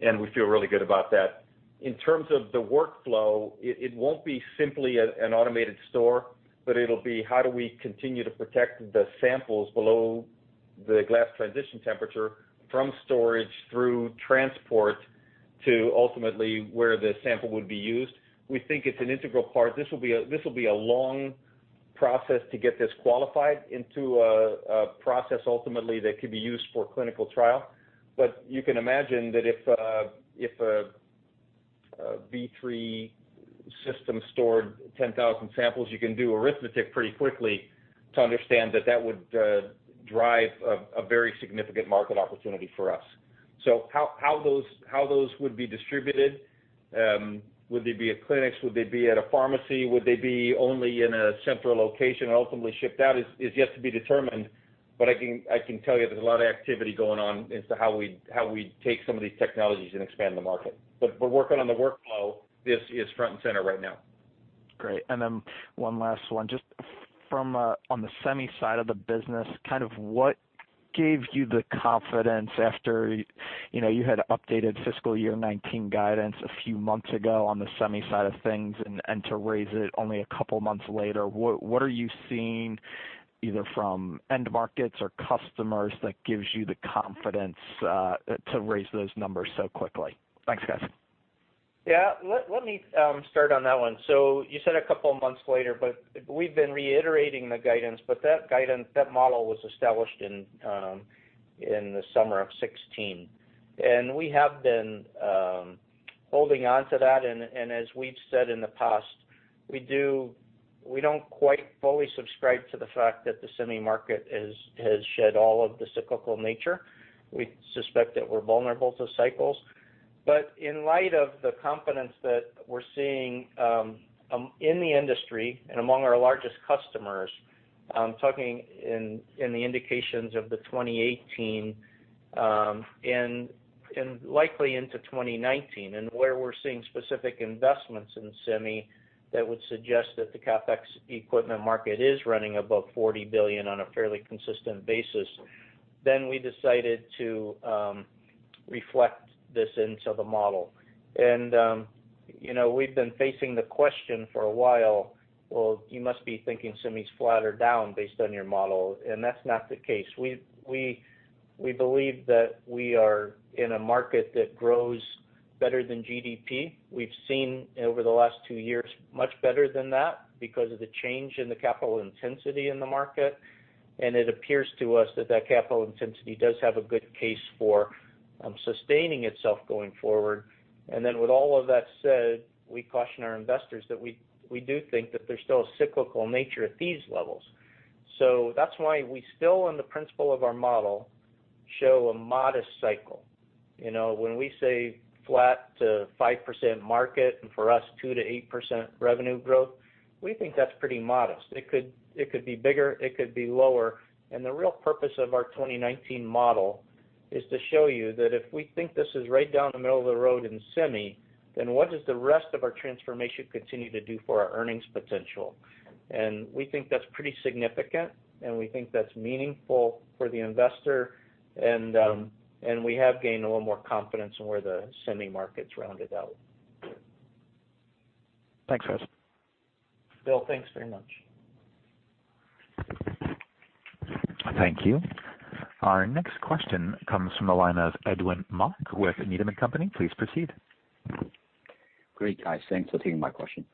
and we feel really good about that. In terms of the workflow, it won't be simply an automated store, but it'll be how do we continue to protect the samples below the glass transition temperature from storage through transport to ultimately where the sample would be used. We think it's an integral part. This will be a long process to get this qualified into a process ultimately that could be used for clinical trial. You can imagine that if a B3 system stored 10,000 samples, you can do arithmetic pretty quickly to understand that that would drive a very significant market opportunity for us. How those would be distributed, would they be at clinics, would they be at a pharmacy, would they be only in a central location and ultimately shipped out, is yet to be determined. I can tell you there's a lot of activity going on into how we take some of these technologies and expand the market. We're working on the workflow. This is front and center right now. Great. One last one. Just from on the semi side of the business, what gave you the confidence after you had updated fiscal year 2019 guidance a few months ago on the semi side of things and to raise it only a couple months later. What are you seeing, either from end markets or customers, that gives you the confidence to raise those numbers so quickly? Thanks, guys. Let me start on that one. You said a couple of months later, we've been reiterating the guidance. That guidance, that model was established in the summer of 2016. We have been holding onto that, and as we've said in the past, we don't quite fully subscribe to the fact that the semi market has shed all of the cyclical nature. We suspect that we're vulnerable to cycles. In light of the confidence that we're seeing in the industry and among our largest customers, I'm talking in the indications of the 2018, and likely into 2019, and where we're seeing specific investments in semi that would suggest that the CapEx equipment market is running above $40 billion on a fairly consistent basis, we decided to reflect this into the model. We've been facing the question for a while, "Well, you must be thinking semi's flatter down based on your model," and that's not the case. We believe that we are in a market that grows better than GDP. We've seen over the last two years, much better than that because of the change in the capital intensity in the market, and it appears to us that that capital intensity does have a good case for sustaining itself going forward. With all of that said, we caution our investors that we do think that there's still a cyclical nature at these levels. That's why we still, in the principle of our model, show a modest cycle. When we say flat to 5% market, and for us, 2%-8% revenue growth, we think that's pretty modest. It could be bigger, it could be lower. The real purpose of our 2019 model is to show you that if we think this is right down the middle of the road in semi, then what does the rest of our transformation continue to do for our earnings potential? We think that's pretty significant, and we think that's meaningful for the investor. We have gained a little more confidence in where the semi market's rounded out. Thanks, guys. Bill, thanks very much. Thank you. Our next question comes from the line of Edwin Mok with Needham & Company. Please proceed. Great, guys. Thanks for taking my question.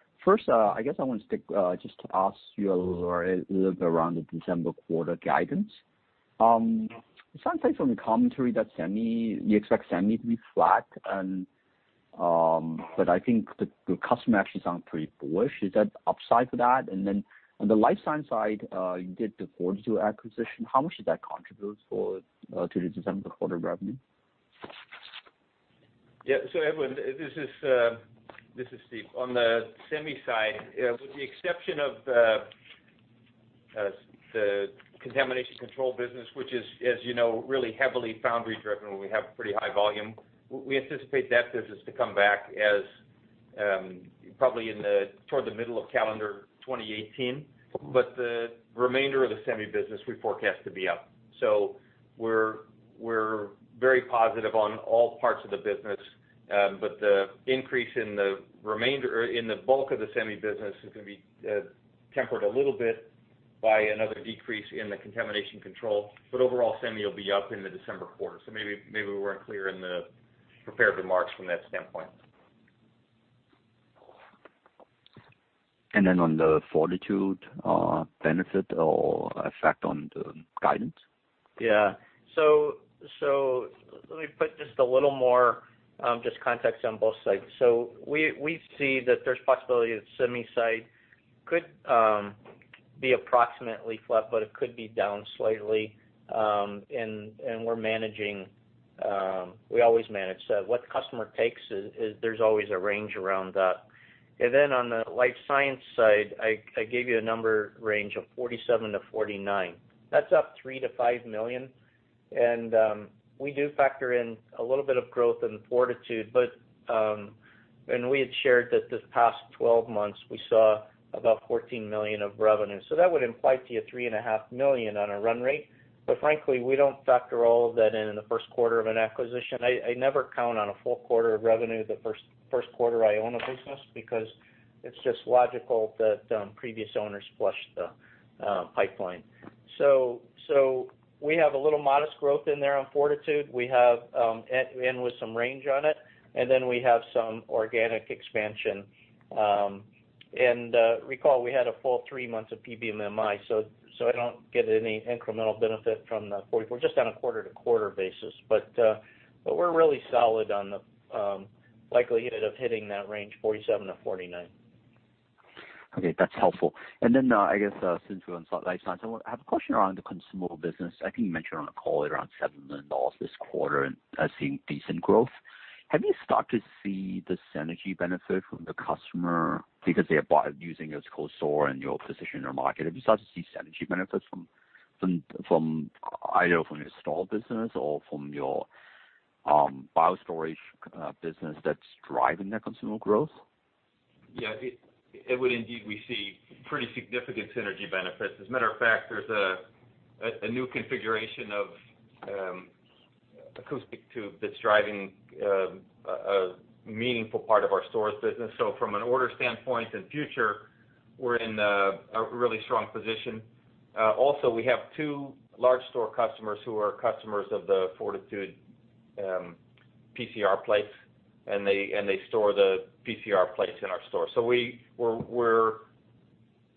I guess I want to stick just to ask you a little bit around the December quarter guidance. It sounds like from the commentary that you expect semi to be flat, I think the customer actually sounds pretty bullish. Is that upside for that? On the life science side, you did the 4titude acquisition. How much does that contribute to the December quarter revenue? Yeah. Edwin, this is Steve. On the semi side, with the exception of the contamination control business, which is, as you know, really heavily foundry driven where we have pretty high volume, we anticipate that business to come back as probably toward the middle of calendar 2018. The remainder of the semi business we forecast to be up. We're very positive on all parts of the business, but the increase in the bulk of the semi business is going to be tempered a little bit by another decrease in the contamination control. Overall, semi will be up in the December quarter. Maybe we weren't clear in the prepared remarks from that standpoint. On the 4titude benefit or effect on the guidance? Yeah. Let me put just a little more just context on both sides. We see that there's possibility that semi side could be approximately flat, but it could be down slightly. We always manage. What the customer takes, there's always a range around that. On the life science side, I gave you a number range of 47-49. That's up $3 million-$5 million, and we do factor in a little bit of growth in 4titude. We had shared that this past 12 months, we saw about $14 million of revenue. That would imply to you $3.5 million on a run rate. Frankly, we don't factor all of that in in the first quarter of an acquisition. I never count on a full quarter of revenue the first quarter I own a business, because it's just logical that previous owners flush the pipeline. We have a little modest growth in there on 4titude, and with some range on it, then we have some organic expansion. Recall, we had a full three months of PBMMI, I don't get any incremental benefit from the 44, just on a quarter-to-quarter basis. We're really solid on the likelihood of hitting that range, 47 to 49. Okay, that's helpful. I guess, since we're on life science, I have a question around the consumable business. I think you mentioned on the call around $7 million this quarter and seeing decent growth. Have you started to see the synergy benefit from the customer because they have bought using your core and your position in the market? Have you started to see synergy benefits either from your cold store business or from your BioStorage business that's driving the consumable growth? It would indeed receive pretty significant synergy benefits. As a matter of fact, there's a new configuration of FluidX tube that's driving a meaningful part of our storage business. From an order standpoint, in future, we're in a really strong position. Also, we have two large cold store customers who are customers of the 4titude PCR plates, and they store the PCR plates in our cold store.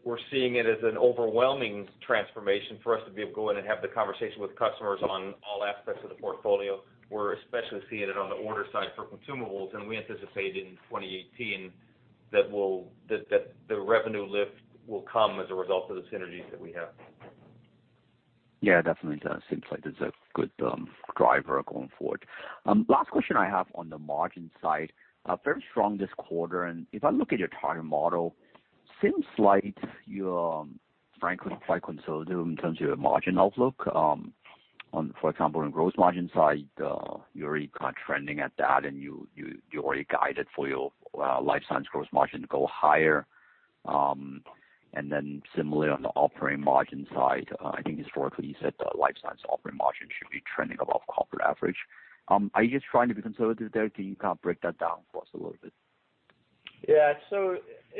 We're seeing it as an overwhelming transformation for us to be able to go in and have the conversation with customers on all aspects of the portfolio. We're especially seeing it on the order side for consumables, and we anticipate in 2018 that the revenue lift will come as a result of the synergies that we have. Definitely. It seems like there's a good driver going forward. Last question I have on the margin side, very strong this quarter, if I look at your target model, seems like you're frankly quite conservative in terms of your margin outlook. For example, on gross margin side, you're already kind of trending at that and you already guided for your life science gross margin to go higher. Similarly on the operating margin side, I think historically you said life science operating margin should be trending above corporate average. Are you just trying to be conservative there? Can you kind of break that down for us a little bit? Yeah.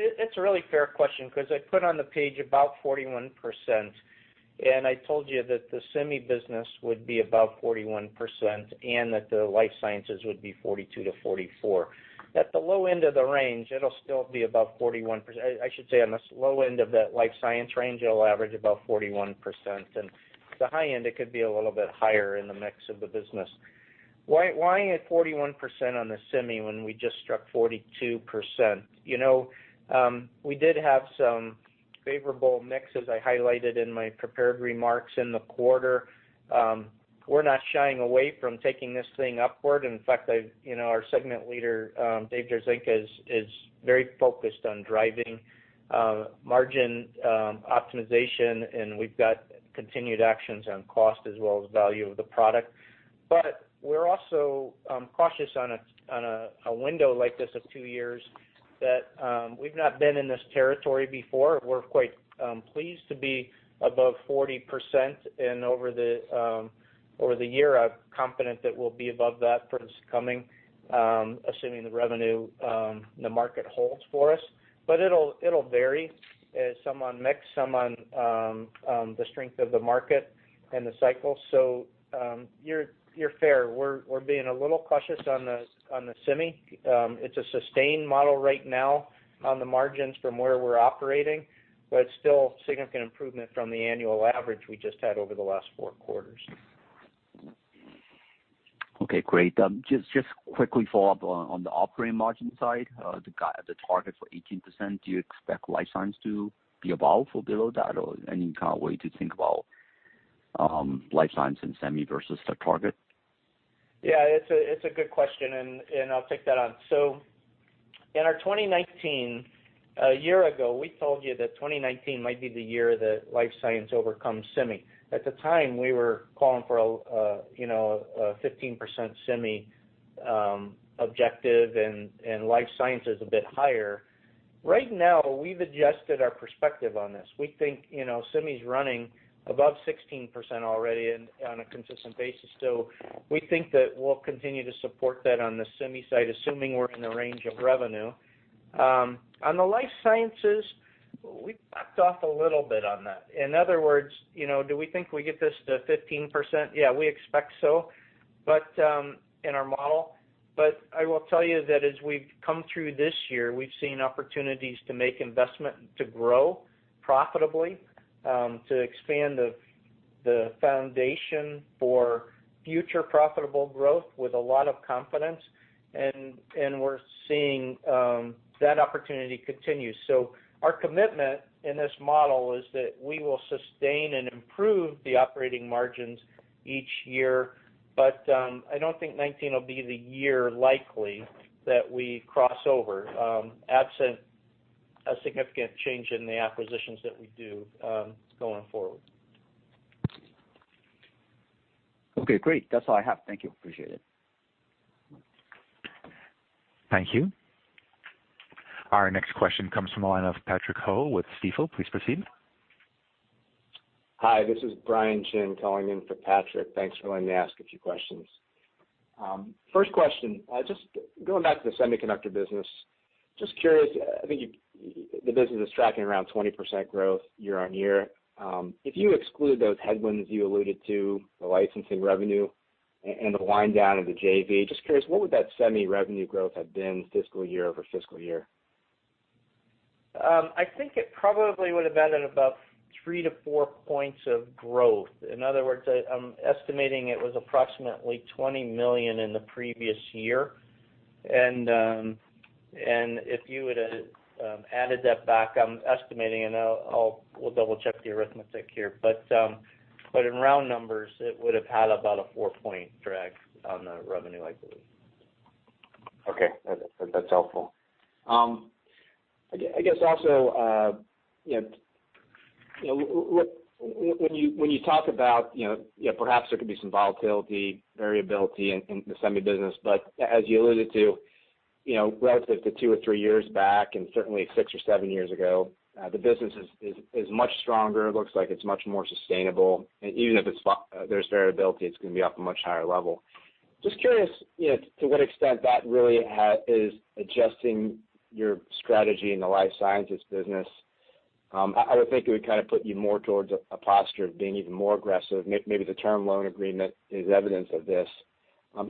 It's a really fair question because I put on the page about 41%, and I told you that the semi business would be above 41% and that the life sciences would be 42%-44%. At the low end of the range, it'll still be above 41%. I should say on the low end of that life science range, it'll average above 41%, and the high end, it could be a little bit higher in the mix of the business. Why at 41% on the semi when we just struck 42%? We did have some favorable mix, as I highlighted in my prepared remarks in the quarter. We're not shying away from taking this thing upward. In fact, our segment leader, Dave Jarzynka, is very focused on driving margin optimization, and we've got continued actions on cost as well as value of the product. We're also cautious on a window like this of 2 years That we've not been in this territory before. We're quite pleased to be above 40% and over the year, I'm confident that we'll be above that for this coming, assuming the revenue the market holds for us. It'll vary as some on mix, some on the strength of the market and the cycle. You're fair. We're being a little cautious on the semi. It's a sustained model right now on the margins from where we're operating, but it's still a significant improvement from the annual average we just had over the last 4 quarters. Okay, great. Just quickly follow up on the operating margin side, the target for 18%, do you expect life science to be above or below that? Or any kind of way to think about life science and semi versus the target? Yeah, it's a good question, and I'll take that on. In our 2019, a year ago, we told you that 2019 might be the year that life science overcomes semi. At the time, we were calling for a 15% semi objective, and life science is a bit higher. Right now, we've adjusted our perspective on this. We think semi's running above 16% already and on a consistent basis, so we think that we'll continue to support that on the semi side, assuming we're in the range of revenue. On the life sciences, we backed off a little bit on that. In other words, do we think we get this to 15%? Yeah, we expect so in our model. I will tell you that as we've come through this year, we've seen opportunities to make investment to grow profitably, to expand the foundation for future profitable growth with a lot of confidence. We're seeing that opportunity continue. Our commitment in this model is that we will sustain and improve the operating margins each year. I don't think 2019 will be the year likely that we cross over, absent a significant change in the acquisitions that we do going forward. Okay, great. That's all I have. Thank you. Appreciate it. Thank you. Our next question comes from the line of Patrick Ho with Stifel. Please proceed. Hi, this is Brian Chin calling in for Patrick. Thanks for letting me ask a few questions. First question, just going back to the semiconductor business, just curious, I think the business is tracking around 20% growth year-over-year. If you exclude those headwinds you alluded to, the licensing revenue and the wind down of the JV, just curious, what would that semi revenue growth have been fiscal year-over-fiscal year? I think it probably would've been at about three to four points of growth. In other words, I'm estimating it was approximately $20 million in the previous year. If you would've added that back, I'm estimating, and we'll double-check the arithmetic here, but in round numbers, it would've had about a four-point drag on the revenue, I believe. Okay. That's helpful. I guess also, when you talk about perhaps there could be some volatility, variability in the semi business, but as you alluded to, relative to two or three years back, and certainly six or seven years ago, the business is much stronger. It looks like it's much more sustainable. Even if there's variability, it's going to be off a much higher level. Just curious to what extent that really is adjusting your strategy in the Life Sciences business. I would think it would kind of put you more towards a posture of being even more aggressive. Maybe the term loan agreement is evidence of this.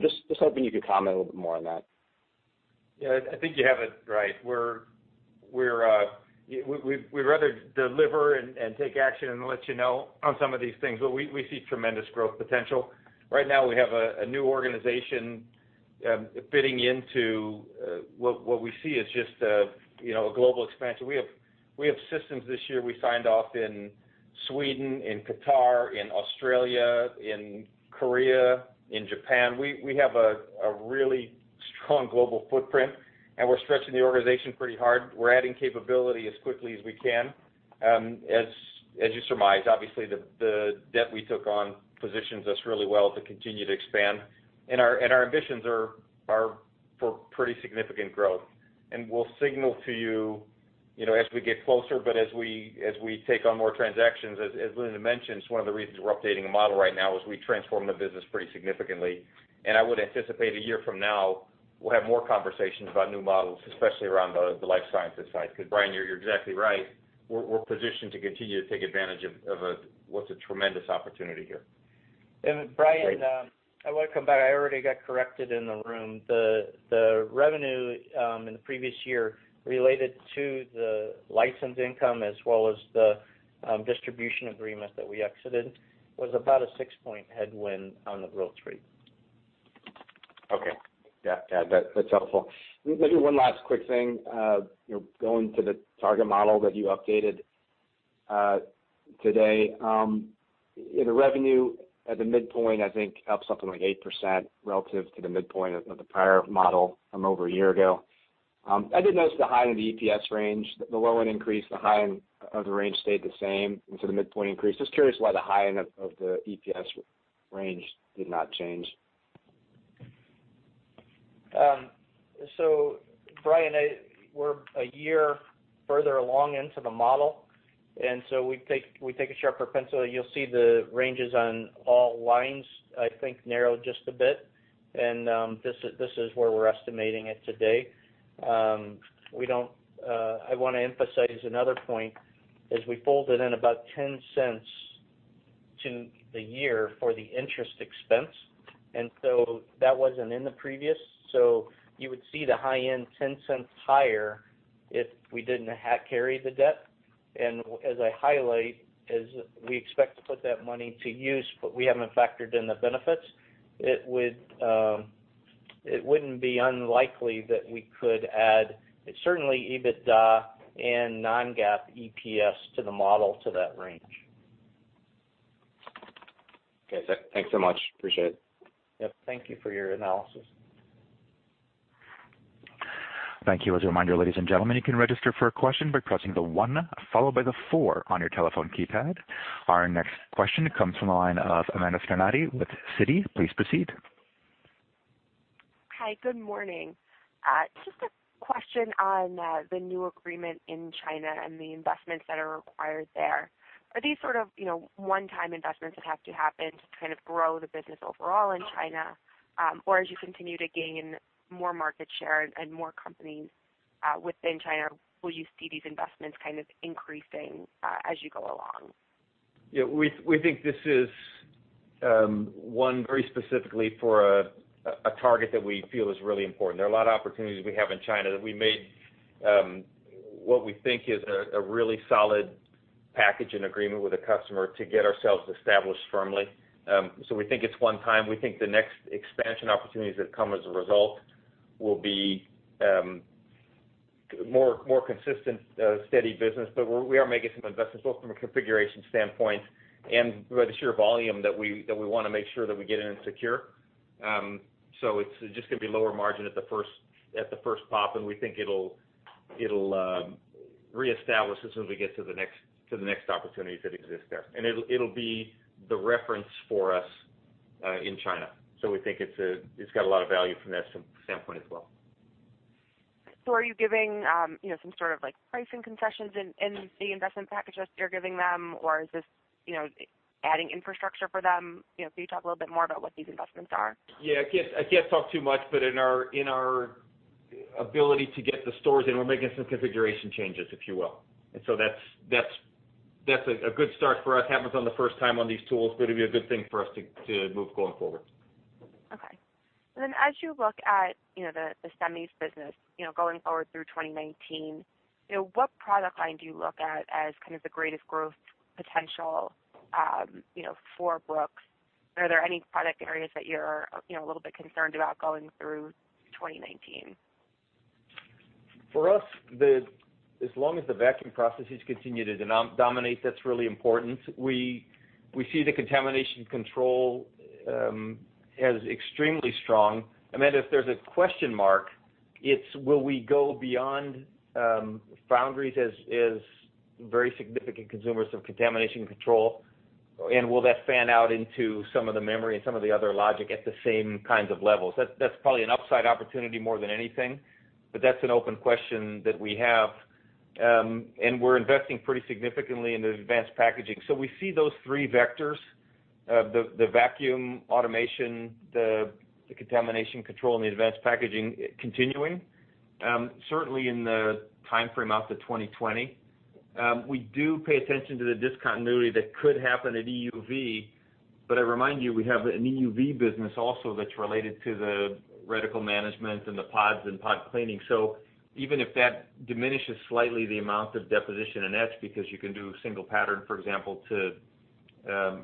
Just hoping you could comment a little bit more on that. Yeah, I think you have it right. We'd rather deliver and take action and let you know on some of these things. We see tremendous growth potential. Right now, we have a new organization fitting into what we see as just a global expansion. We have systems this year we signed off in Sweden, in Qatar, in Australia, in Korea, in Japan. We have a really strong global footprint, and we're stretching the organization pretty hard. We're adding capability as quickly as we can. As you surmise, obviously the debt we took on positions us really well to continue to expand. Our ambitions are for pretty significant growth. We'll signal to you as we get closer, but as we take on more transactions, as Lindon mentioned, it's one of the reasons we're updating a model right now is we transformed the business pretty significantly. I would anticipate a year from now, we'll have more conversations about new models, especially around the Life Sciences side, because Brian, you're exactly right. We're positioned to continue to take advantage of what's a tremendous opportunity here. Brian, I want to come back. I already got corrected in the room. The revenue in the previous year related to the license income as well as the distribution agreement that we exited was about a six-point headwind on the growth rate. Okay. Yeah, that's helpful. Maybe one last quick thing. Going to the target model that you updated today. The revenue at the midpoint, I think, up something like 8% relative to the midpoint of the prior model from over a year ago. I did notice the high end of the EPS range, the low end increased, the high end of the range stayed the same. The midpoint increased. Just curious why the high end of the EPS range did not change. Brian, we're a year further along into the model. We take a sharper pencil. You'll see the ranges on all lines, I think, narrow just a bit. This is where we're estimating it today. I want to emphasize another point, is we folded in about $0.10 to the year for the interest expense. That wasn't in the previous. You would see the high end $0.10 higher if we didn't carry the debt. As I highlight, as we expect to put that money to use, but we haven't factored in the benefits, it wouldn't be unlikely that we could add certainly EBITDA and non-GAAP EPS to the model to that range. Okay. Thanks so much. Appreciate it. Yep. Thank you for your analysis. Thank you. As a reminder, ladies and gentlemen, you can register for a question by pressing the one followed by the four on your telephone keypad. Our next question comes from the line of Amanda Scarnati with Citi. Please proceed. Hi. Good morning. Just a question on the new agreement in China and the investments that are required there. Are these sort of one-time investments that have to happen to kind of grow the business overall in China, or as you continue to gain more market share and more companies within China, will you see these investments kind of increasing as you go along? Yeah. We think this is one very specifically for a target that we feel is really important. There are a lot of opportunities we have in China that we made what we think is a really solid package and agreement with a customer to get ourselves established firmly. We think it's one time. We think the next expansion opportunities that come as a result will be more consistent, steady business. We are making some investments, both from a configuration standpoint and by the sheer volume that we want to make sure that we get in and secure. It's just going to be lower margin at the first pop, and we think it'll reestablish as soon as we get to the next opportunities that exist there. It'll be the reference for us in China. We think it's got a lot of value from that standpoint as well. Are you giving some sort of pricing concessions in the investment packages that you're giving them, or is this adding infrastructure for them? Can you talk a little bit more about what these investments are? Yeah. I can't talk too much, but in our ability to get the stores in, we're making some configuration changes, if you will. That's a good start for us. Happens on the first time on these tools, going to be a good thing for us to move going forward. Okay. As you look at the semis business going forward through 2019, what product line do you look at as kind of the greatest growth potential for Brooks? Are there any product areas that you're a little bit concerned about going through 2019? For us, as long as the vacuum processes continue to dominate, that's really important. We see the contamination control as extremely strong. Amanda, if there's a question mark, it's will we go beyond boundaries as very significant consumers of contamination control, and will that fan out into some of the memory and some of the other logic at the same kinds of levels? That's probably an upside opportunity more than anything, but that's an open question that we have. We're investing pretty significantly in the advanced packaging. We see those three vectors, the vacuum automation, the contamination control, and the advanced packaging continuing, certainly in the timeframe out to 2020. We do pay attention to the discontinuity that could happen at EUV, I remind you, we have an EUV business also that's related to the reticle management and the pods and pod cleaning. Even if that diminishes slightly the amount of deposition and etch, because you can do single pattern, for example,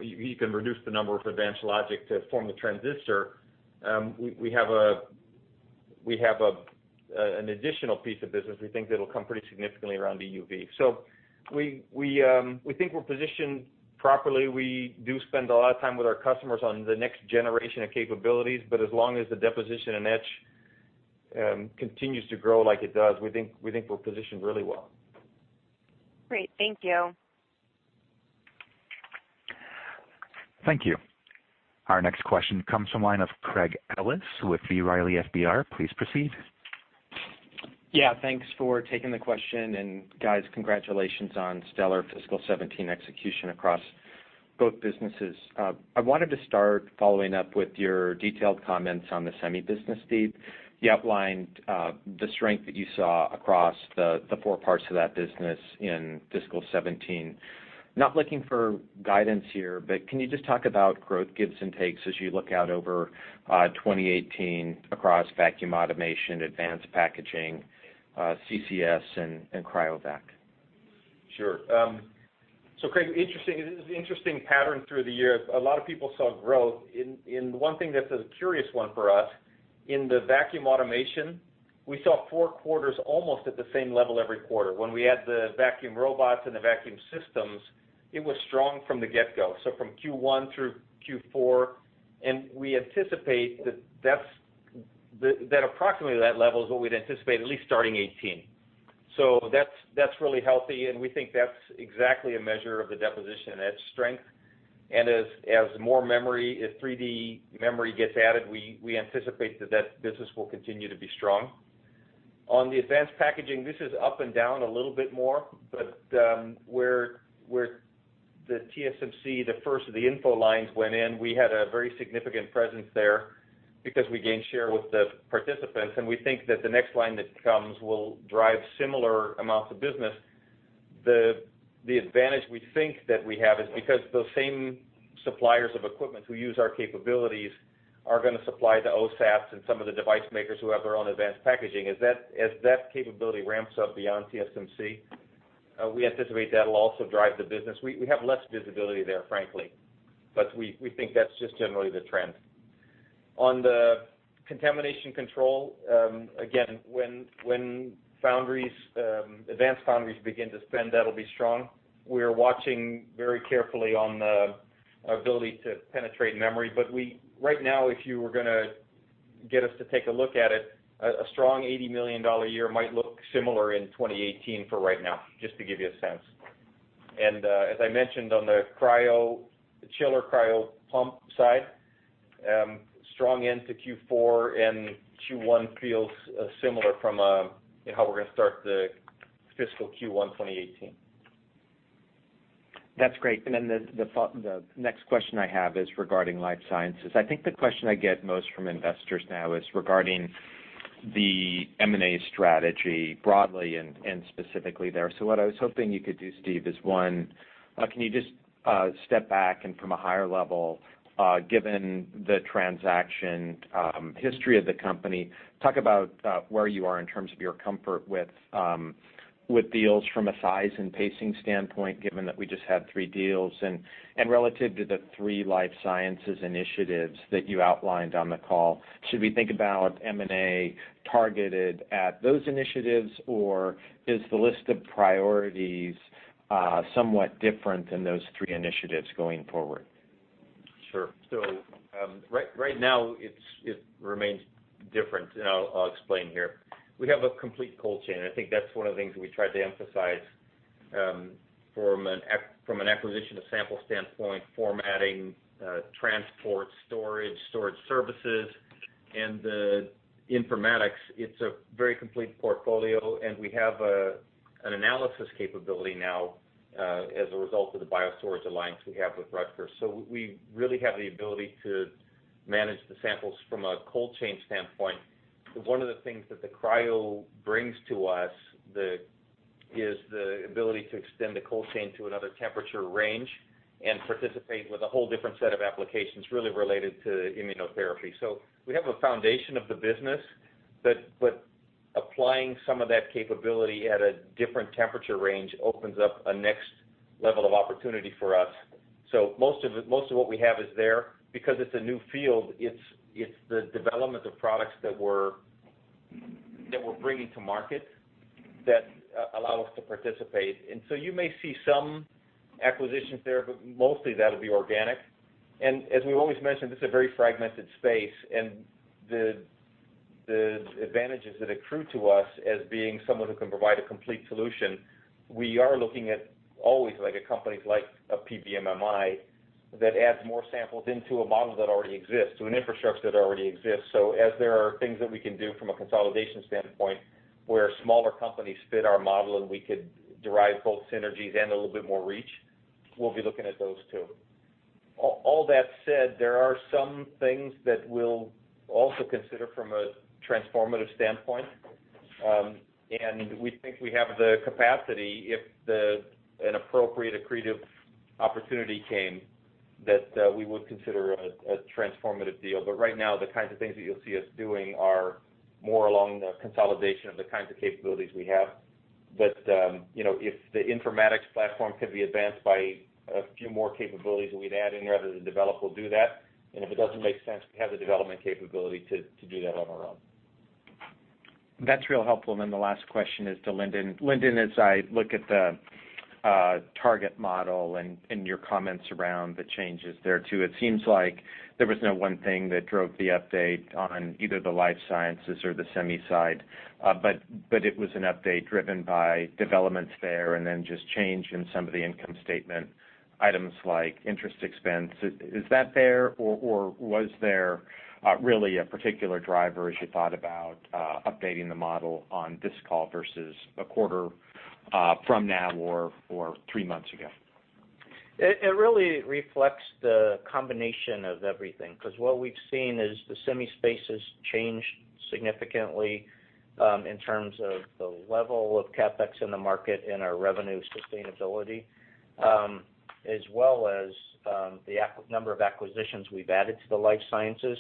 you can reduce the number of advanced logic to form the transistor, we have an additional piece of business we think that'll come pretty significantly around EUV. We think we're positioned properly. We do spend a lot of time with our customers on the next generation of capabilities, as long as the deposition and etch continues to grow like it does, we think we're positioned really well. Great. Thank you. Thank you. Our next question comes from the line of Craig Ellis with B. Riley FBR. Please proceed. Yeah. Thanks for taking the question, guys, congratulations on stellar fiscal 2017 execution across both businesses. I wanted to start following up with your detailed comments on the semi business, Steve. You outlined the strength that you saw across the four parts of that business in fiscal 2017. Not looking for guidance here, but can you just talk about growth gives and takes as you look out over 2018 across vacuum automation, advanced packaging, CCS, and cryo vac? Sure. Craig, this is an interesting pattern through the year. A lot of people saw growth, one thing that's a curious one for us, in the vacuum automation, we saw 4 quarters almost at the same level every quarter. When we add the vacuum robots and the vacuum systems, it was strong from the get-go, from Q1 through Q4, we anticipate that approximately that level is what we'd anticipate at least starting 2018. That's really healthy, and we think that's exactly a measure of the deposition etch strength. As more 3D memory gets added, we anticipate that that business will continue to be strong. On the advanced packaging, this is up and down a little bit more, where the TSMC, the first of the InFO lines went in, we had a very significant presence there because we gained share with the participants, we think that the next line that comes will drive similar amounts of business. The advantage we think that we have is because those same suppliers of equipment who use our capabilities are going to supply the OSATs and some of the device makers who have their own advanced packaging. As that capability ramps up beyond TSMC, we anticipate that'll also drive the business. We have less visibility there, frankly, we think that's just generally the trend. On the contamination control, again, when advanced foundries begin to spend, that'll be strong. We are watching very carefully on the ability to penetrate memory, right now, if you were going to get us to take a look at it, a strong $80 million a year might look similar in 2018 for right now, just to give you a sense. As I mentioned on the chiller cryo pump side, strong into Q4 and Q1 feels similar from how we're going to start the fiscal Q1 2018. That's great. The next question I have is regarding life sciences. I think the question I get most from investors now is regarding the M&A strategy broadly and specifically there. What I was hoping you could do, Steve, is, 1, can you just step back and from a higher level, given the transaction history of the company, talk about where you are in terms of your comfort with deals from a size and pacing standpoint, given that we just had 3 deals. Relative to the 3 life sciences initiatives that you outlined on the call, should we think about M&A targeted at those initiatives, or is the list of priorities somewhat different than those 3 initiatives going forward? Sure. Right now it remains different, and I'll explain here. We have a complete cold chain. I think that's 1 of the things we tried to emphasize, from an acquisition to sample standpoint, formatting, transport, storage services, and the informatics. It's a very complete portfolio, and we have an analysis capability now, as a result of the BioStorage alliance we have with Rutgers University. We really have the ability to manage the samples from a cold chain standpoint. 1 of the things that the cryo brings to us is the ability to extend the cold chain to another temperature range and participate with a whole different set of applications really related to immunotherapy. We have a foundation of the business, but applying some of that capability at a different temperature range opens up a next level of opportunity for us. Most of what we have is there. Because it's a new field, it's the development of products that we're bringing to market that allow us to participate. You may see some acquisitions there, but mostly that'll be organic. As we've always mentioned, this is a very fragmented space, and the advantages that accrue to us as being someone who can provide a complete solution, we are looking at always companies like a PBMMI that adds more samples into a model that already exists, to an infrastructure that already exists. As there are things that we can do from a consolidation standpoint, where smaller companies fit our model and we could derive both synergies and a little bit more reach, we'll be looking at those, too. All that said, there are some things that we'll also consider from a transformative standpoint. We think we have the capacity, if an appropriate, accretive opportunity came, that we would consider a transformative deal. Right now, the kinds of things that you'll see us doing are more along the consolidation of the kinds of capabilities we have. If the informatics platform could be advanced by a few more capabilities that we'd add in there that are developed, we'll do that. If it doesn't make sense, we have the development capability to do that on our own. That's real helpful. The last question is to Lindon. Lindon, as I look at the target model and your comments around the changes there, too, it seems like there was no one thing that drove the update on either the life sciences or the semi side. It was an update driven by developments there and then just change in some of the income statement items like interest expense. Is that fair, or was there really a particular driver as you thought about updating the model on this call versus a quarter from now or three months ago? It really reflects the combination of everything. What we've seen is the semi space has changed significantly in terms of the level of CapEx in the market and our revenue sustainability, as well as the number of acquisitions we've added to the life sciences.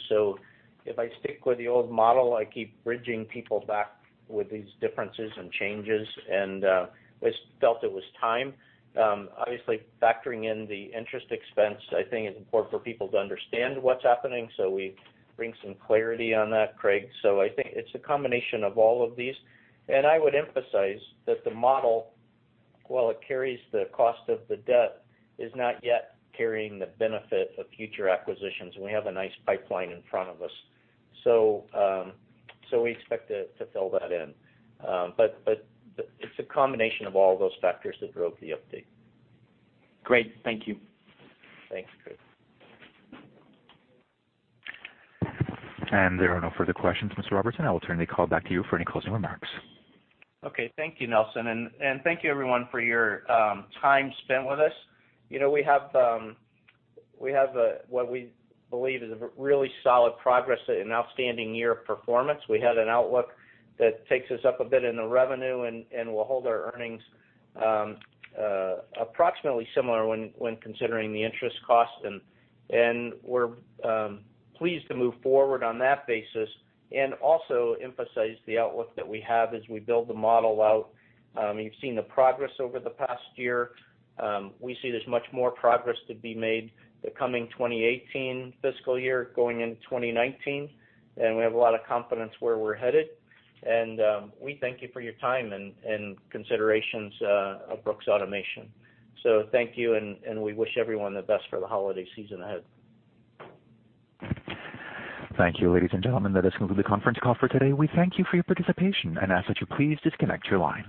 If I stick with the old model, I keep bridging people back with these differences and changes, and I just felt it was time. Obviously, factoring in the interest expense, I think it's important for people to understand what's happening, we bring some clarity on that, Craig. I think it's a combination of all of these. I would emphasize that the model, while it carries the cost of the debt, is not yet carrying the benefit of future acquisitions, and we have a nice pipeline in front of us. We expect to fill that in. It's a combination of all those factors that drove the update. Great. Thank you. Thanks, Craig. There are no further questions, Mr. Robertson. I will turn the call back to you for any closing remarks. Okay. Thank you, Nelson. Thank you everyone for your time spent with us. We have what we believe is really solid progress, an outstanding year of performance. We had an outlook that takes us up a bit in the revenue and will hold our earnings approximately similar when considering the interest cost, and we are pleased to move forward on that basis and also emphasize the outlook that we have as we build the model out. You have seen the progress over the past year. We see there is much more progress to be made the coming 2018 fiscal year going into 2019, and we have a lot of confidence where we are headed. We thank you for your time and considerations of Brooks Automation. Thank you, and we wish everyone the best for the holiday season ahead. Thank you, ladies and gentlemen, that does conclude the conference call for today. We thank you for your participation and ask that you please disconnect your lines.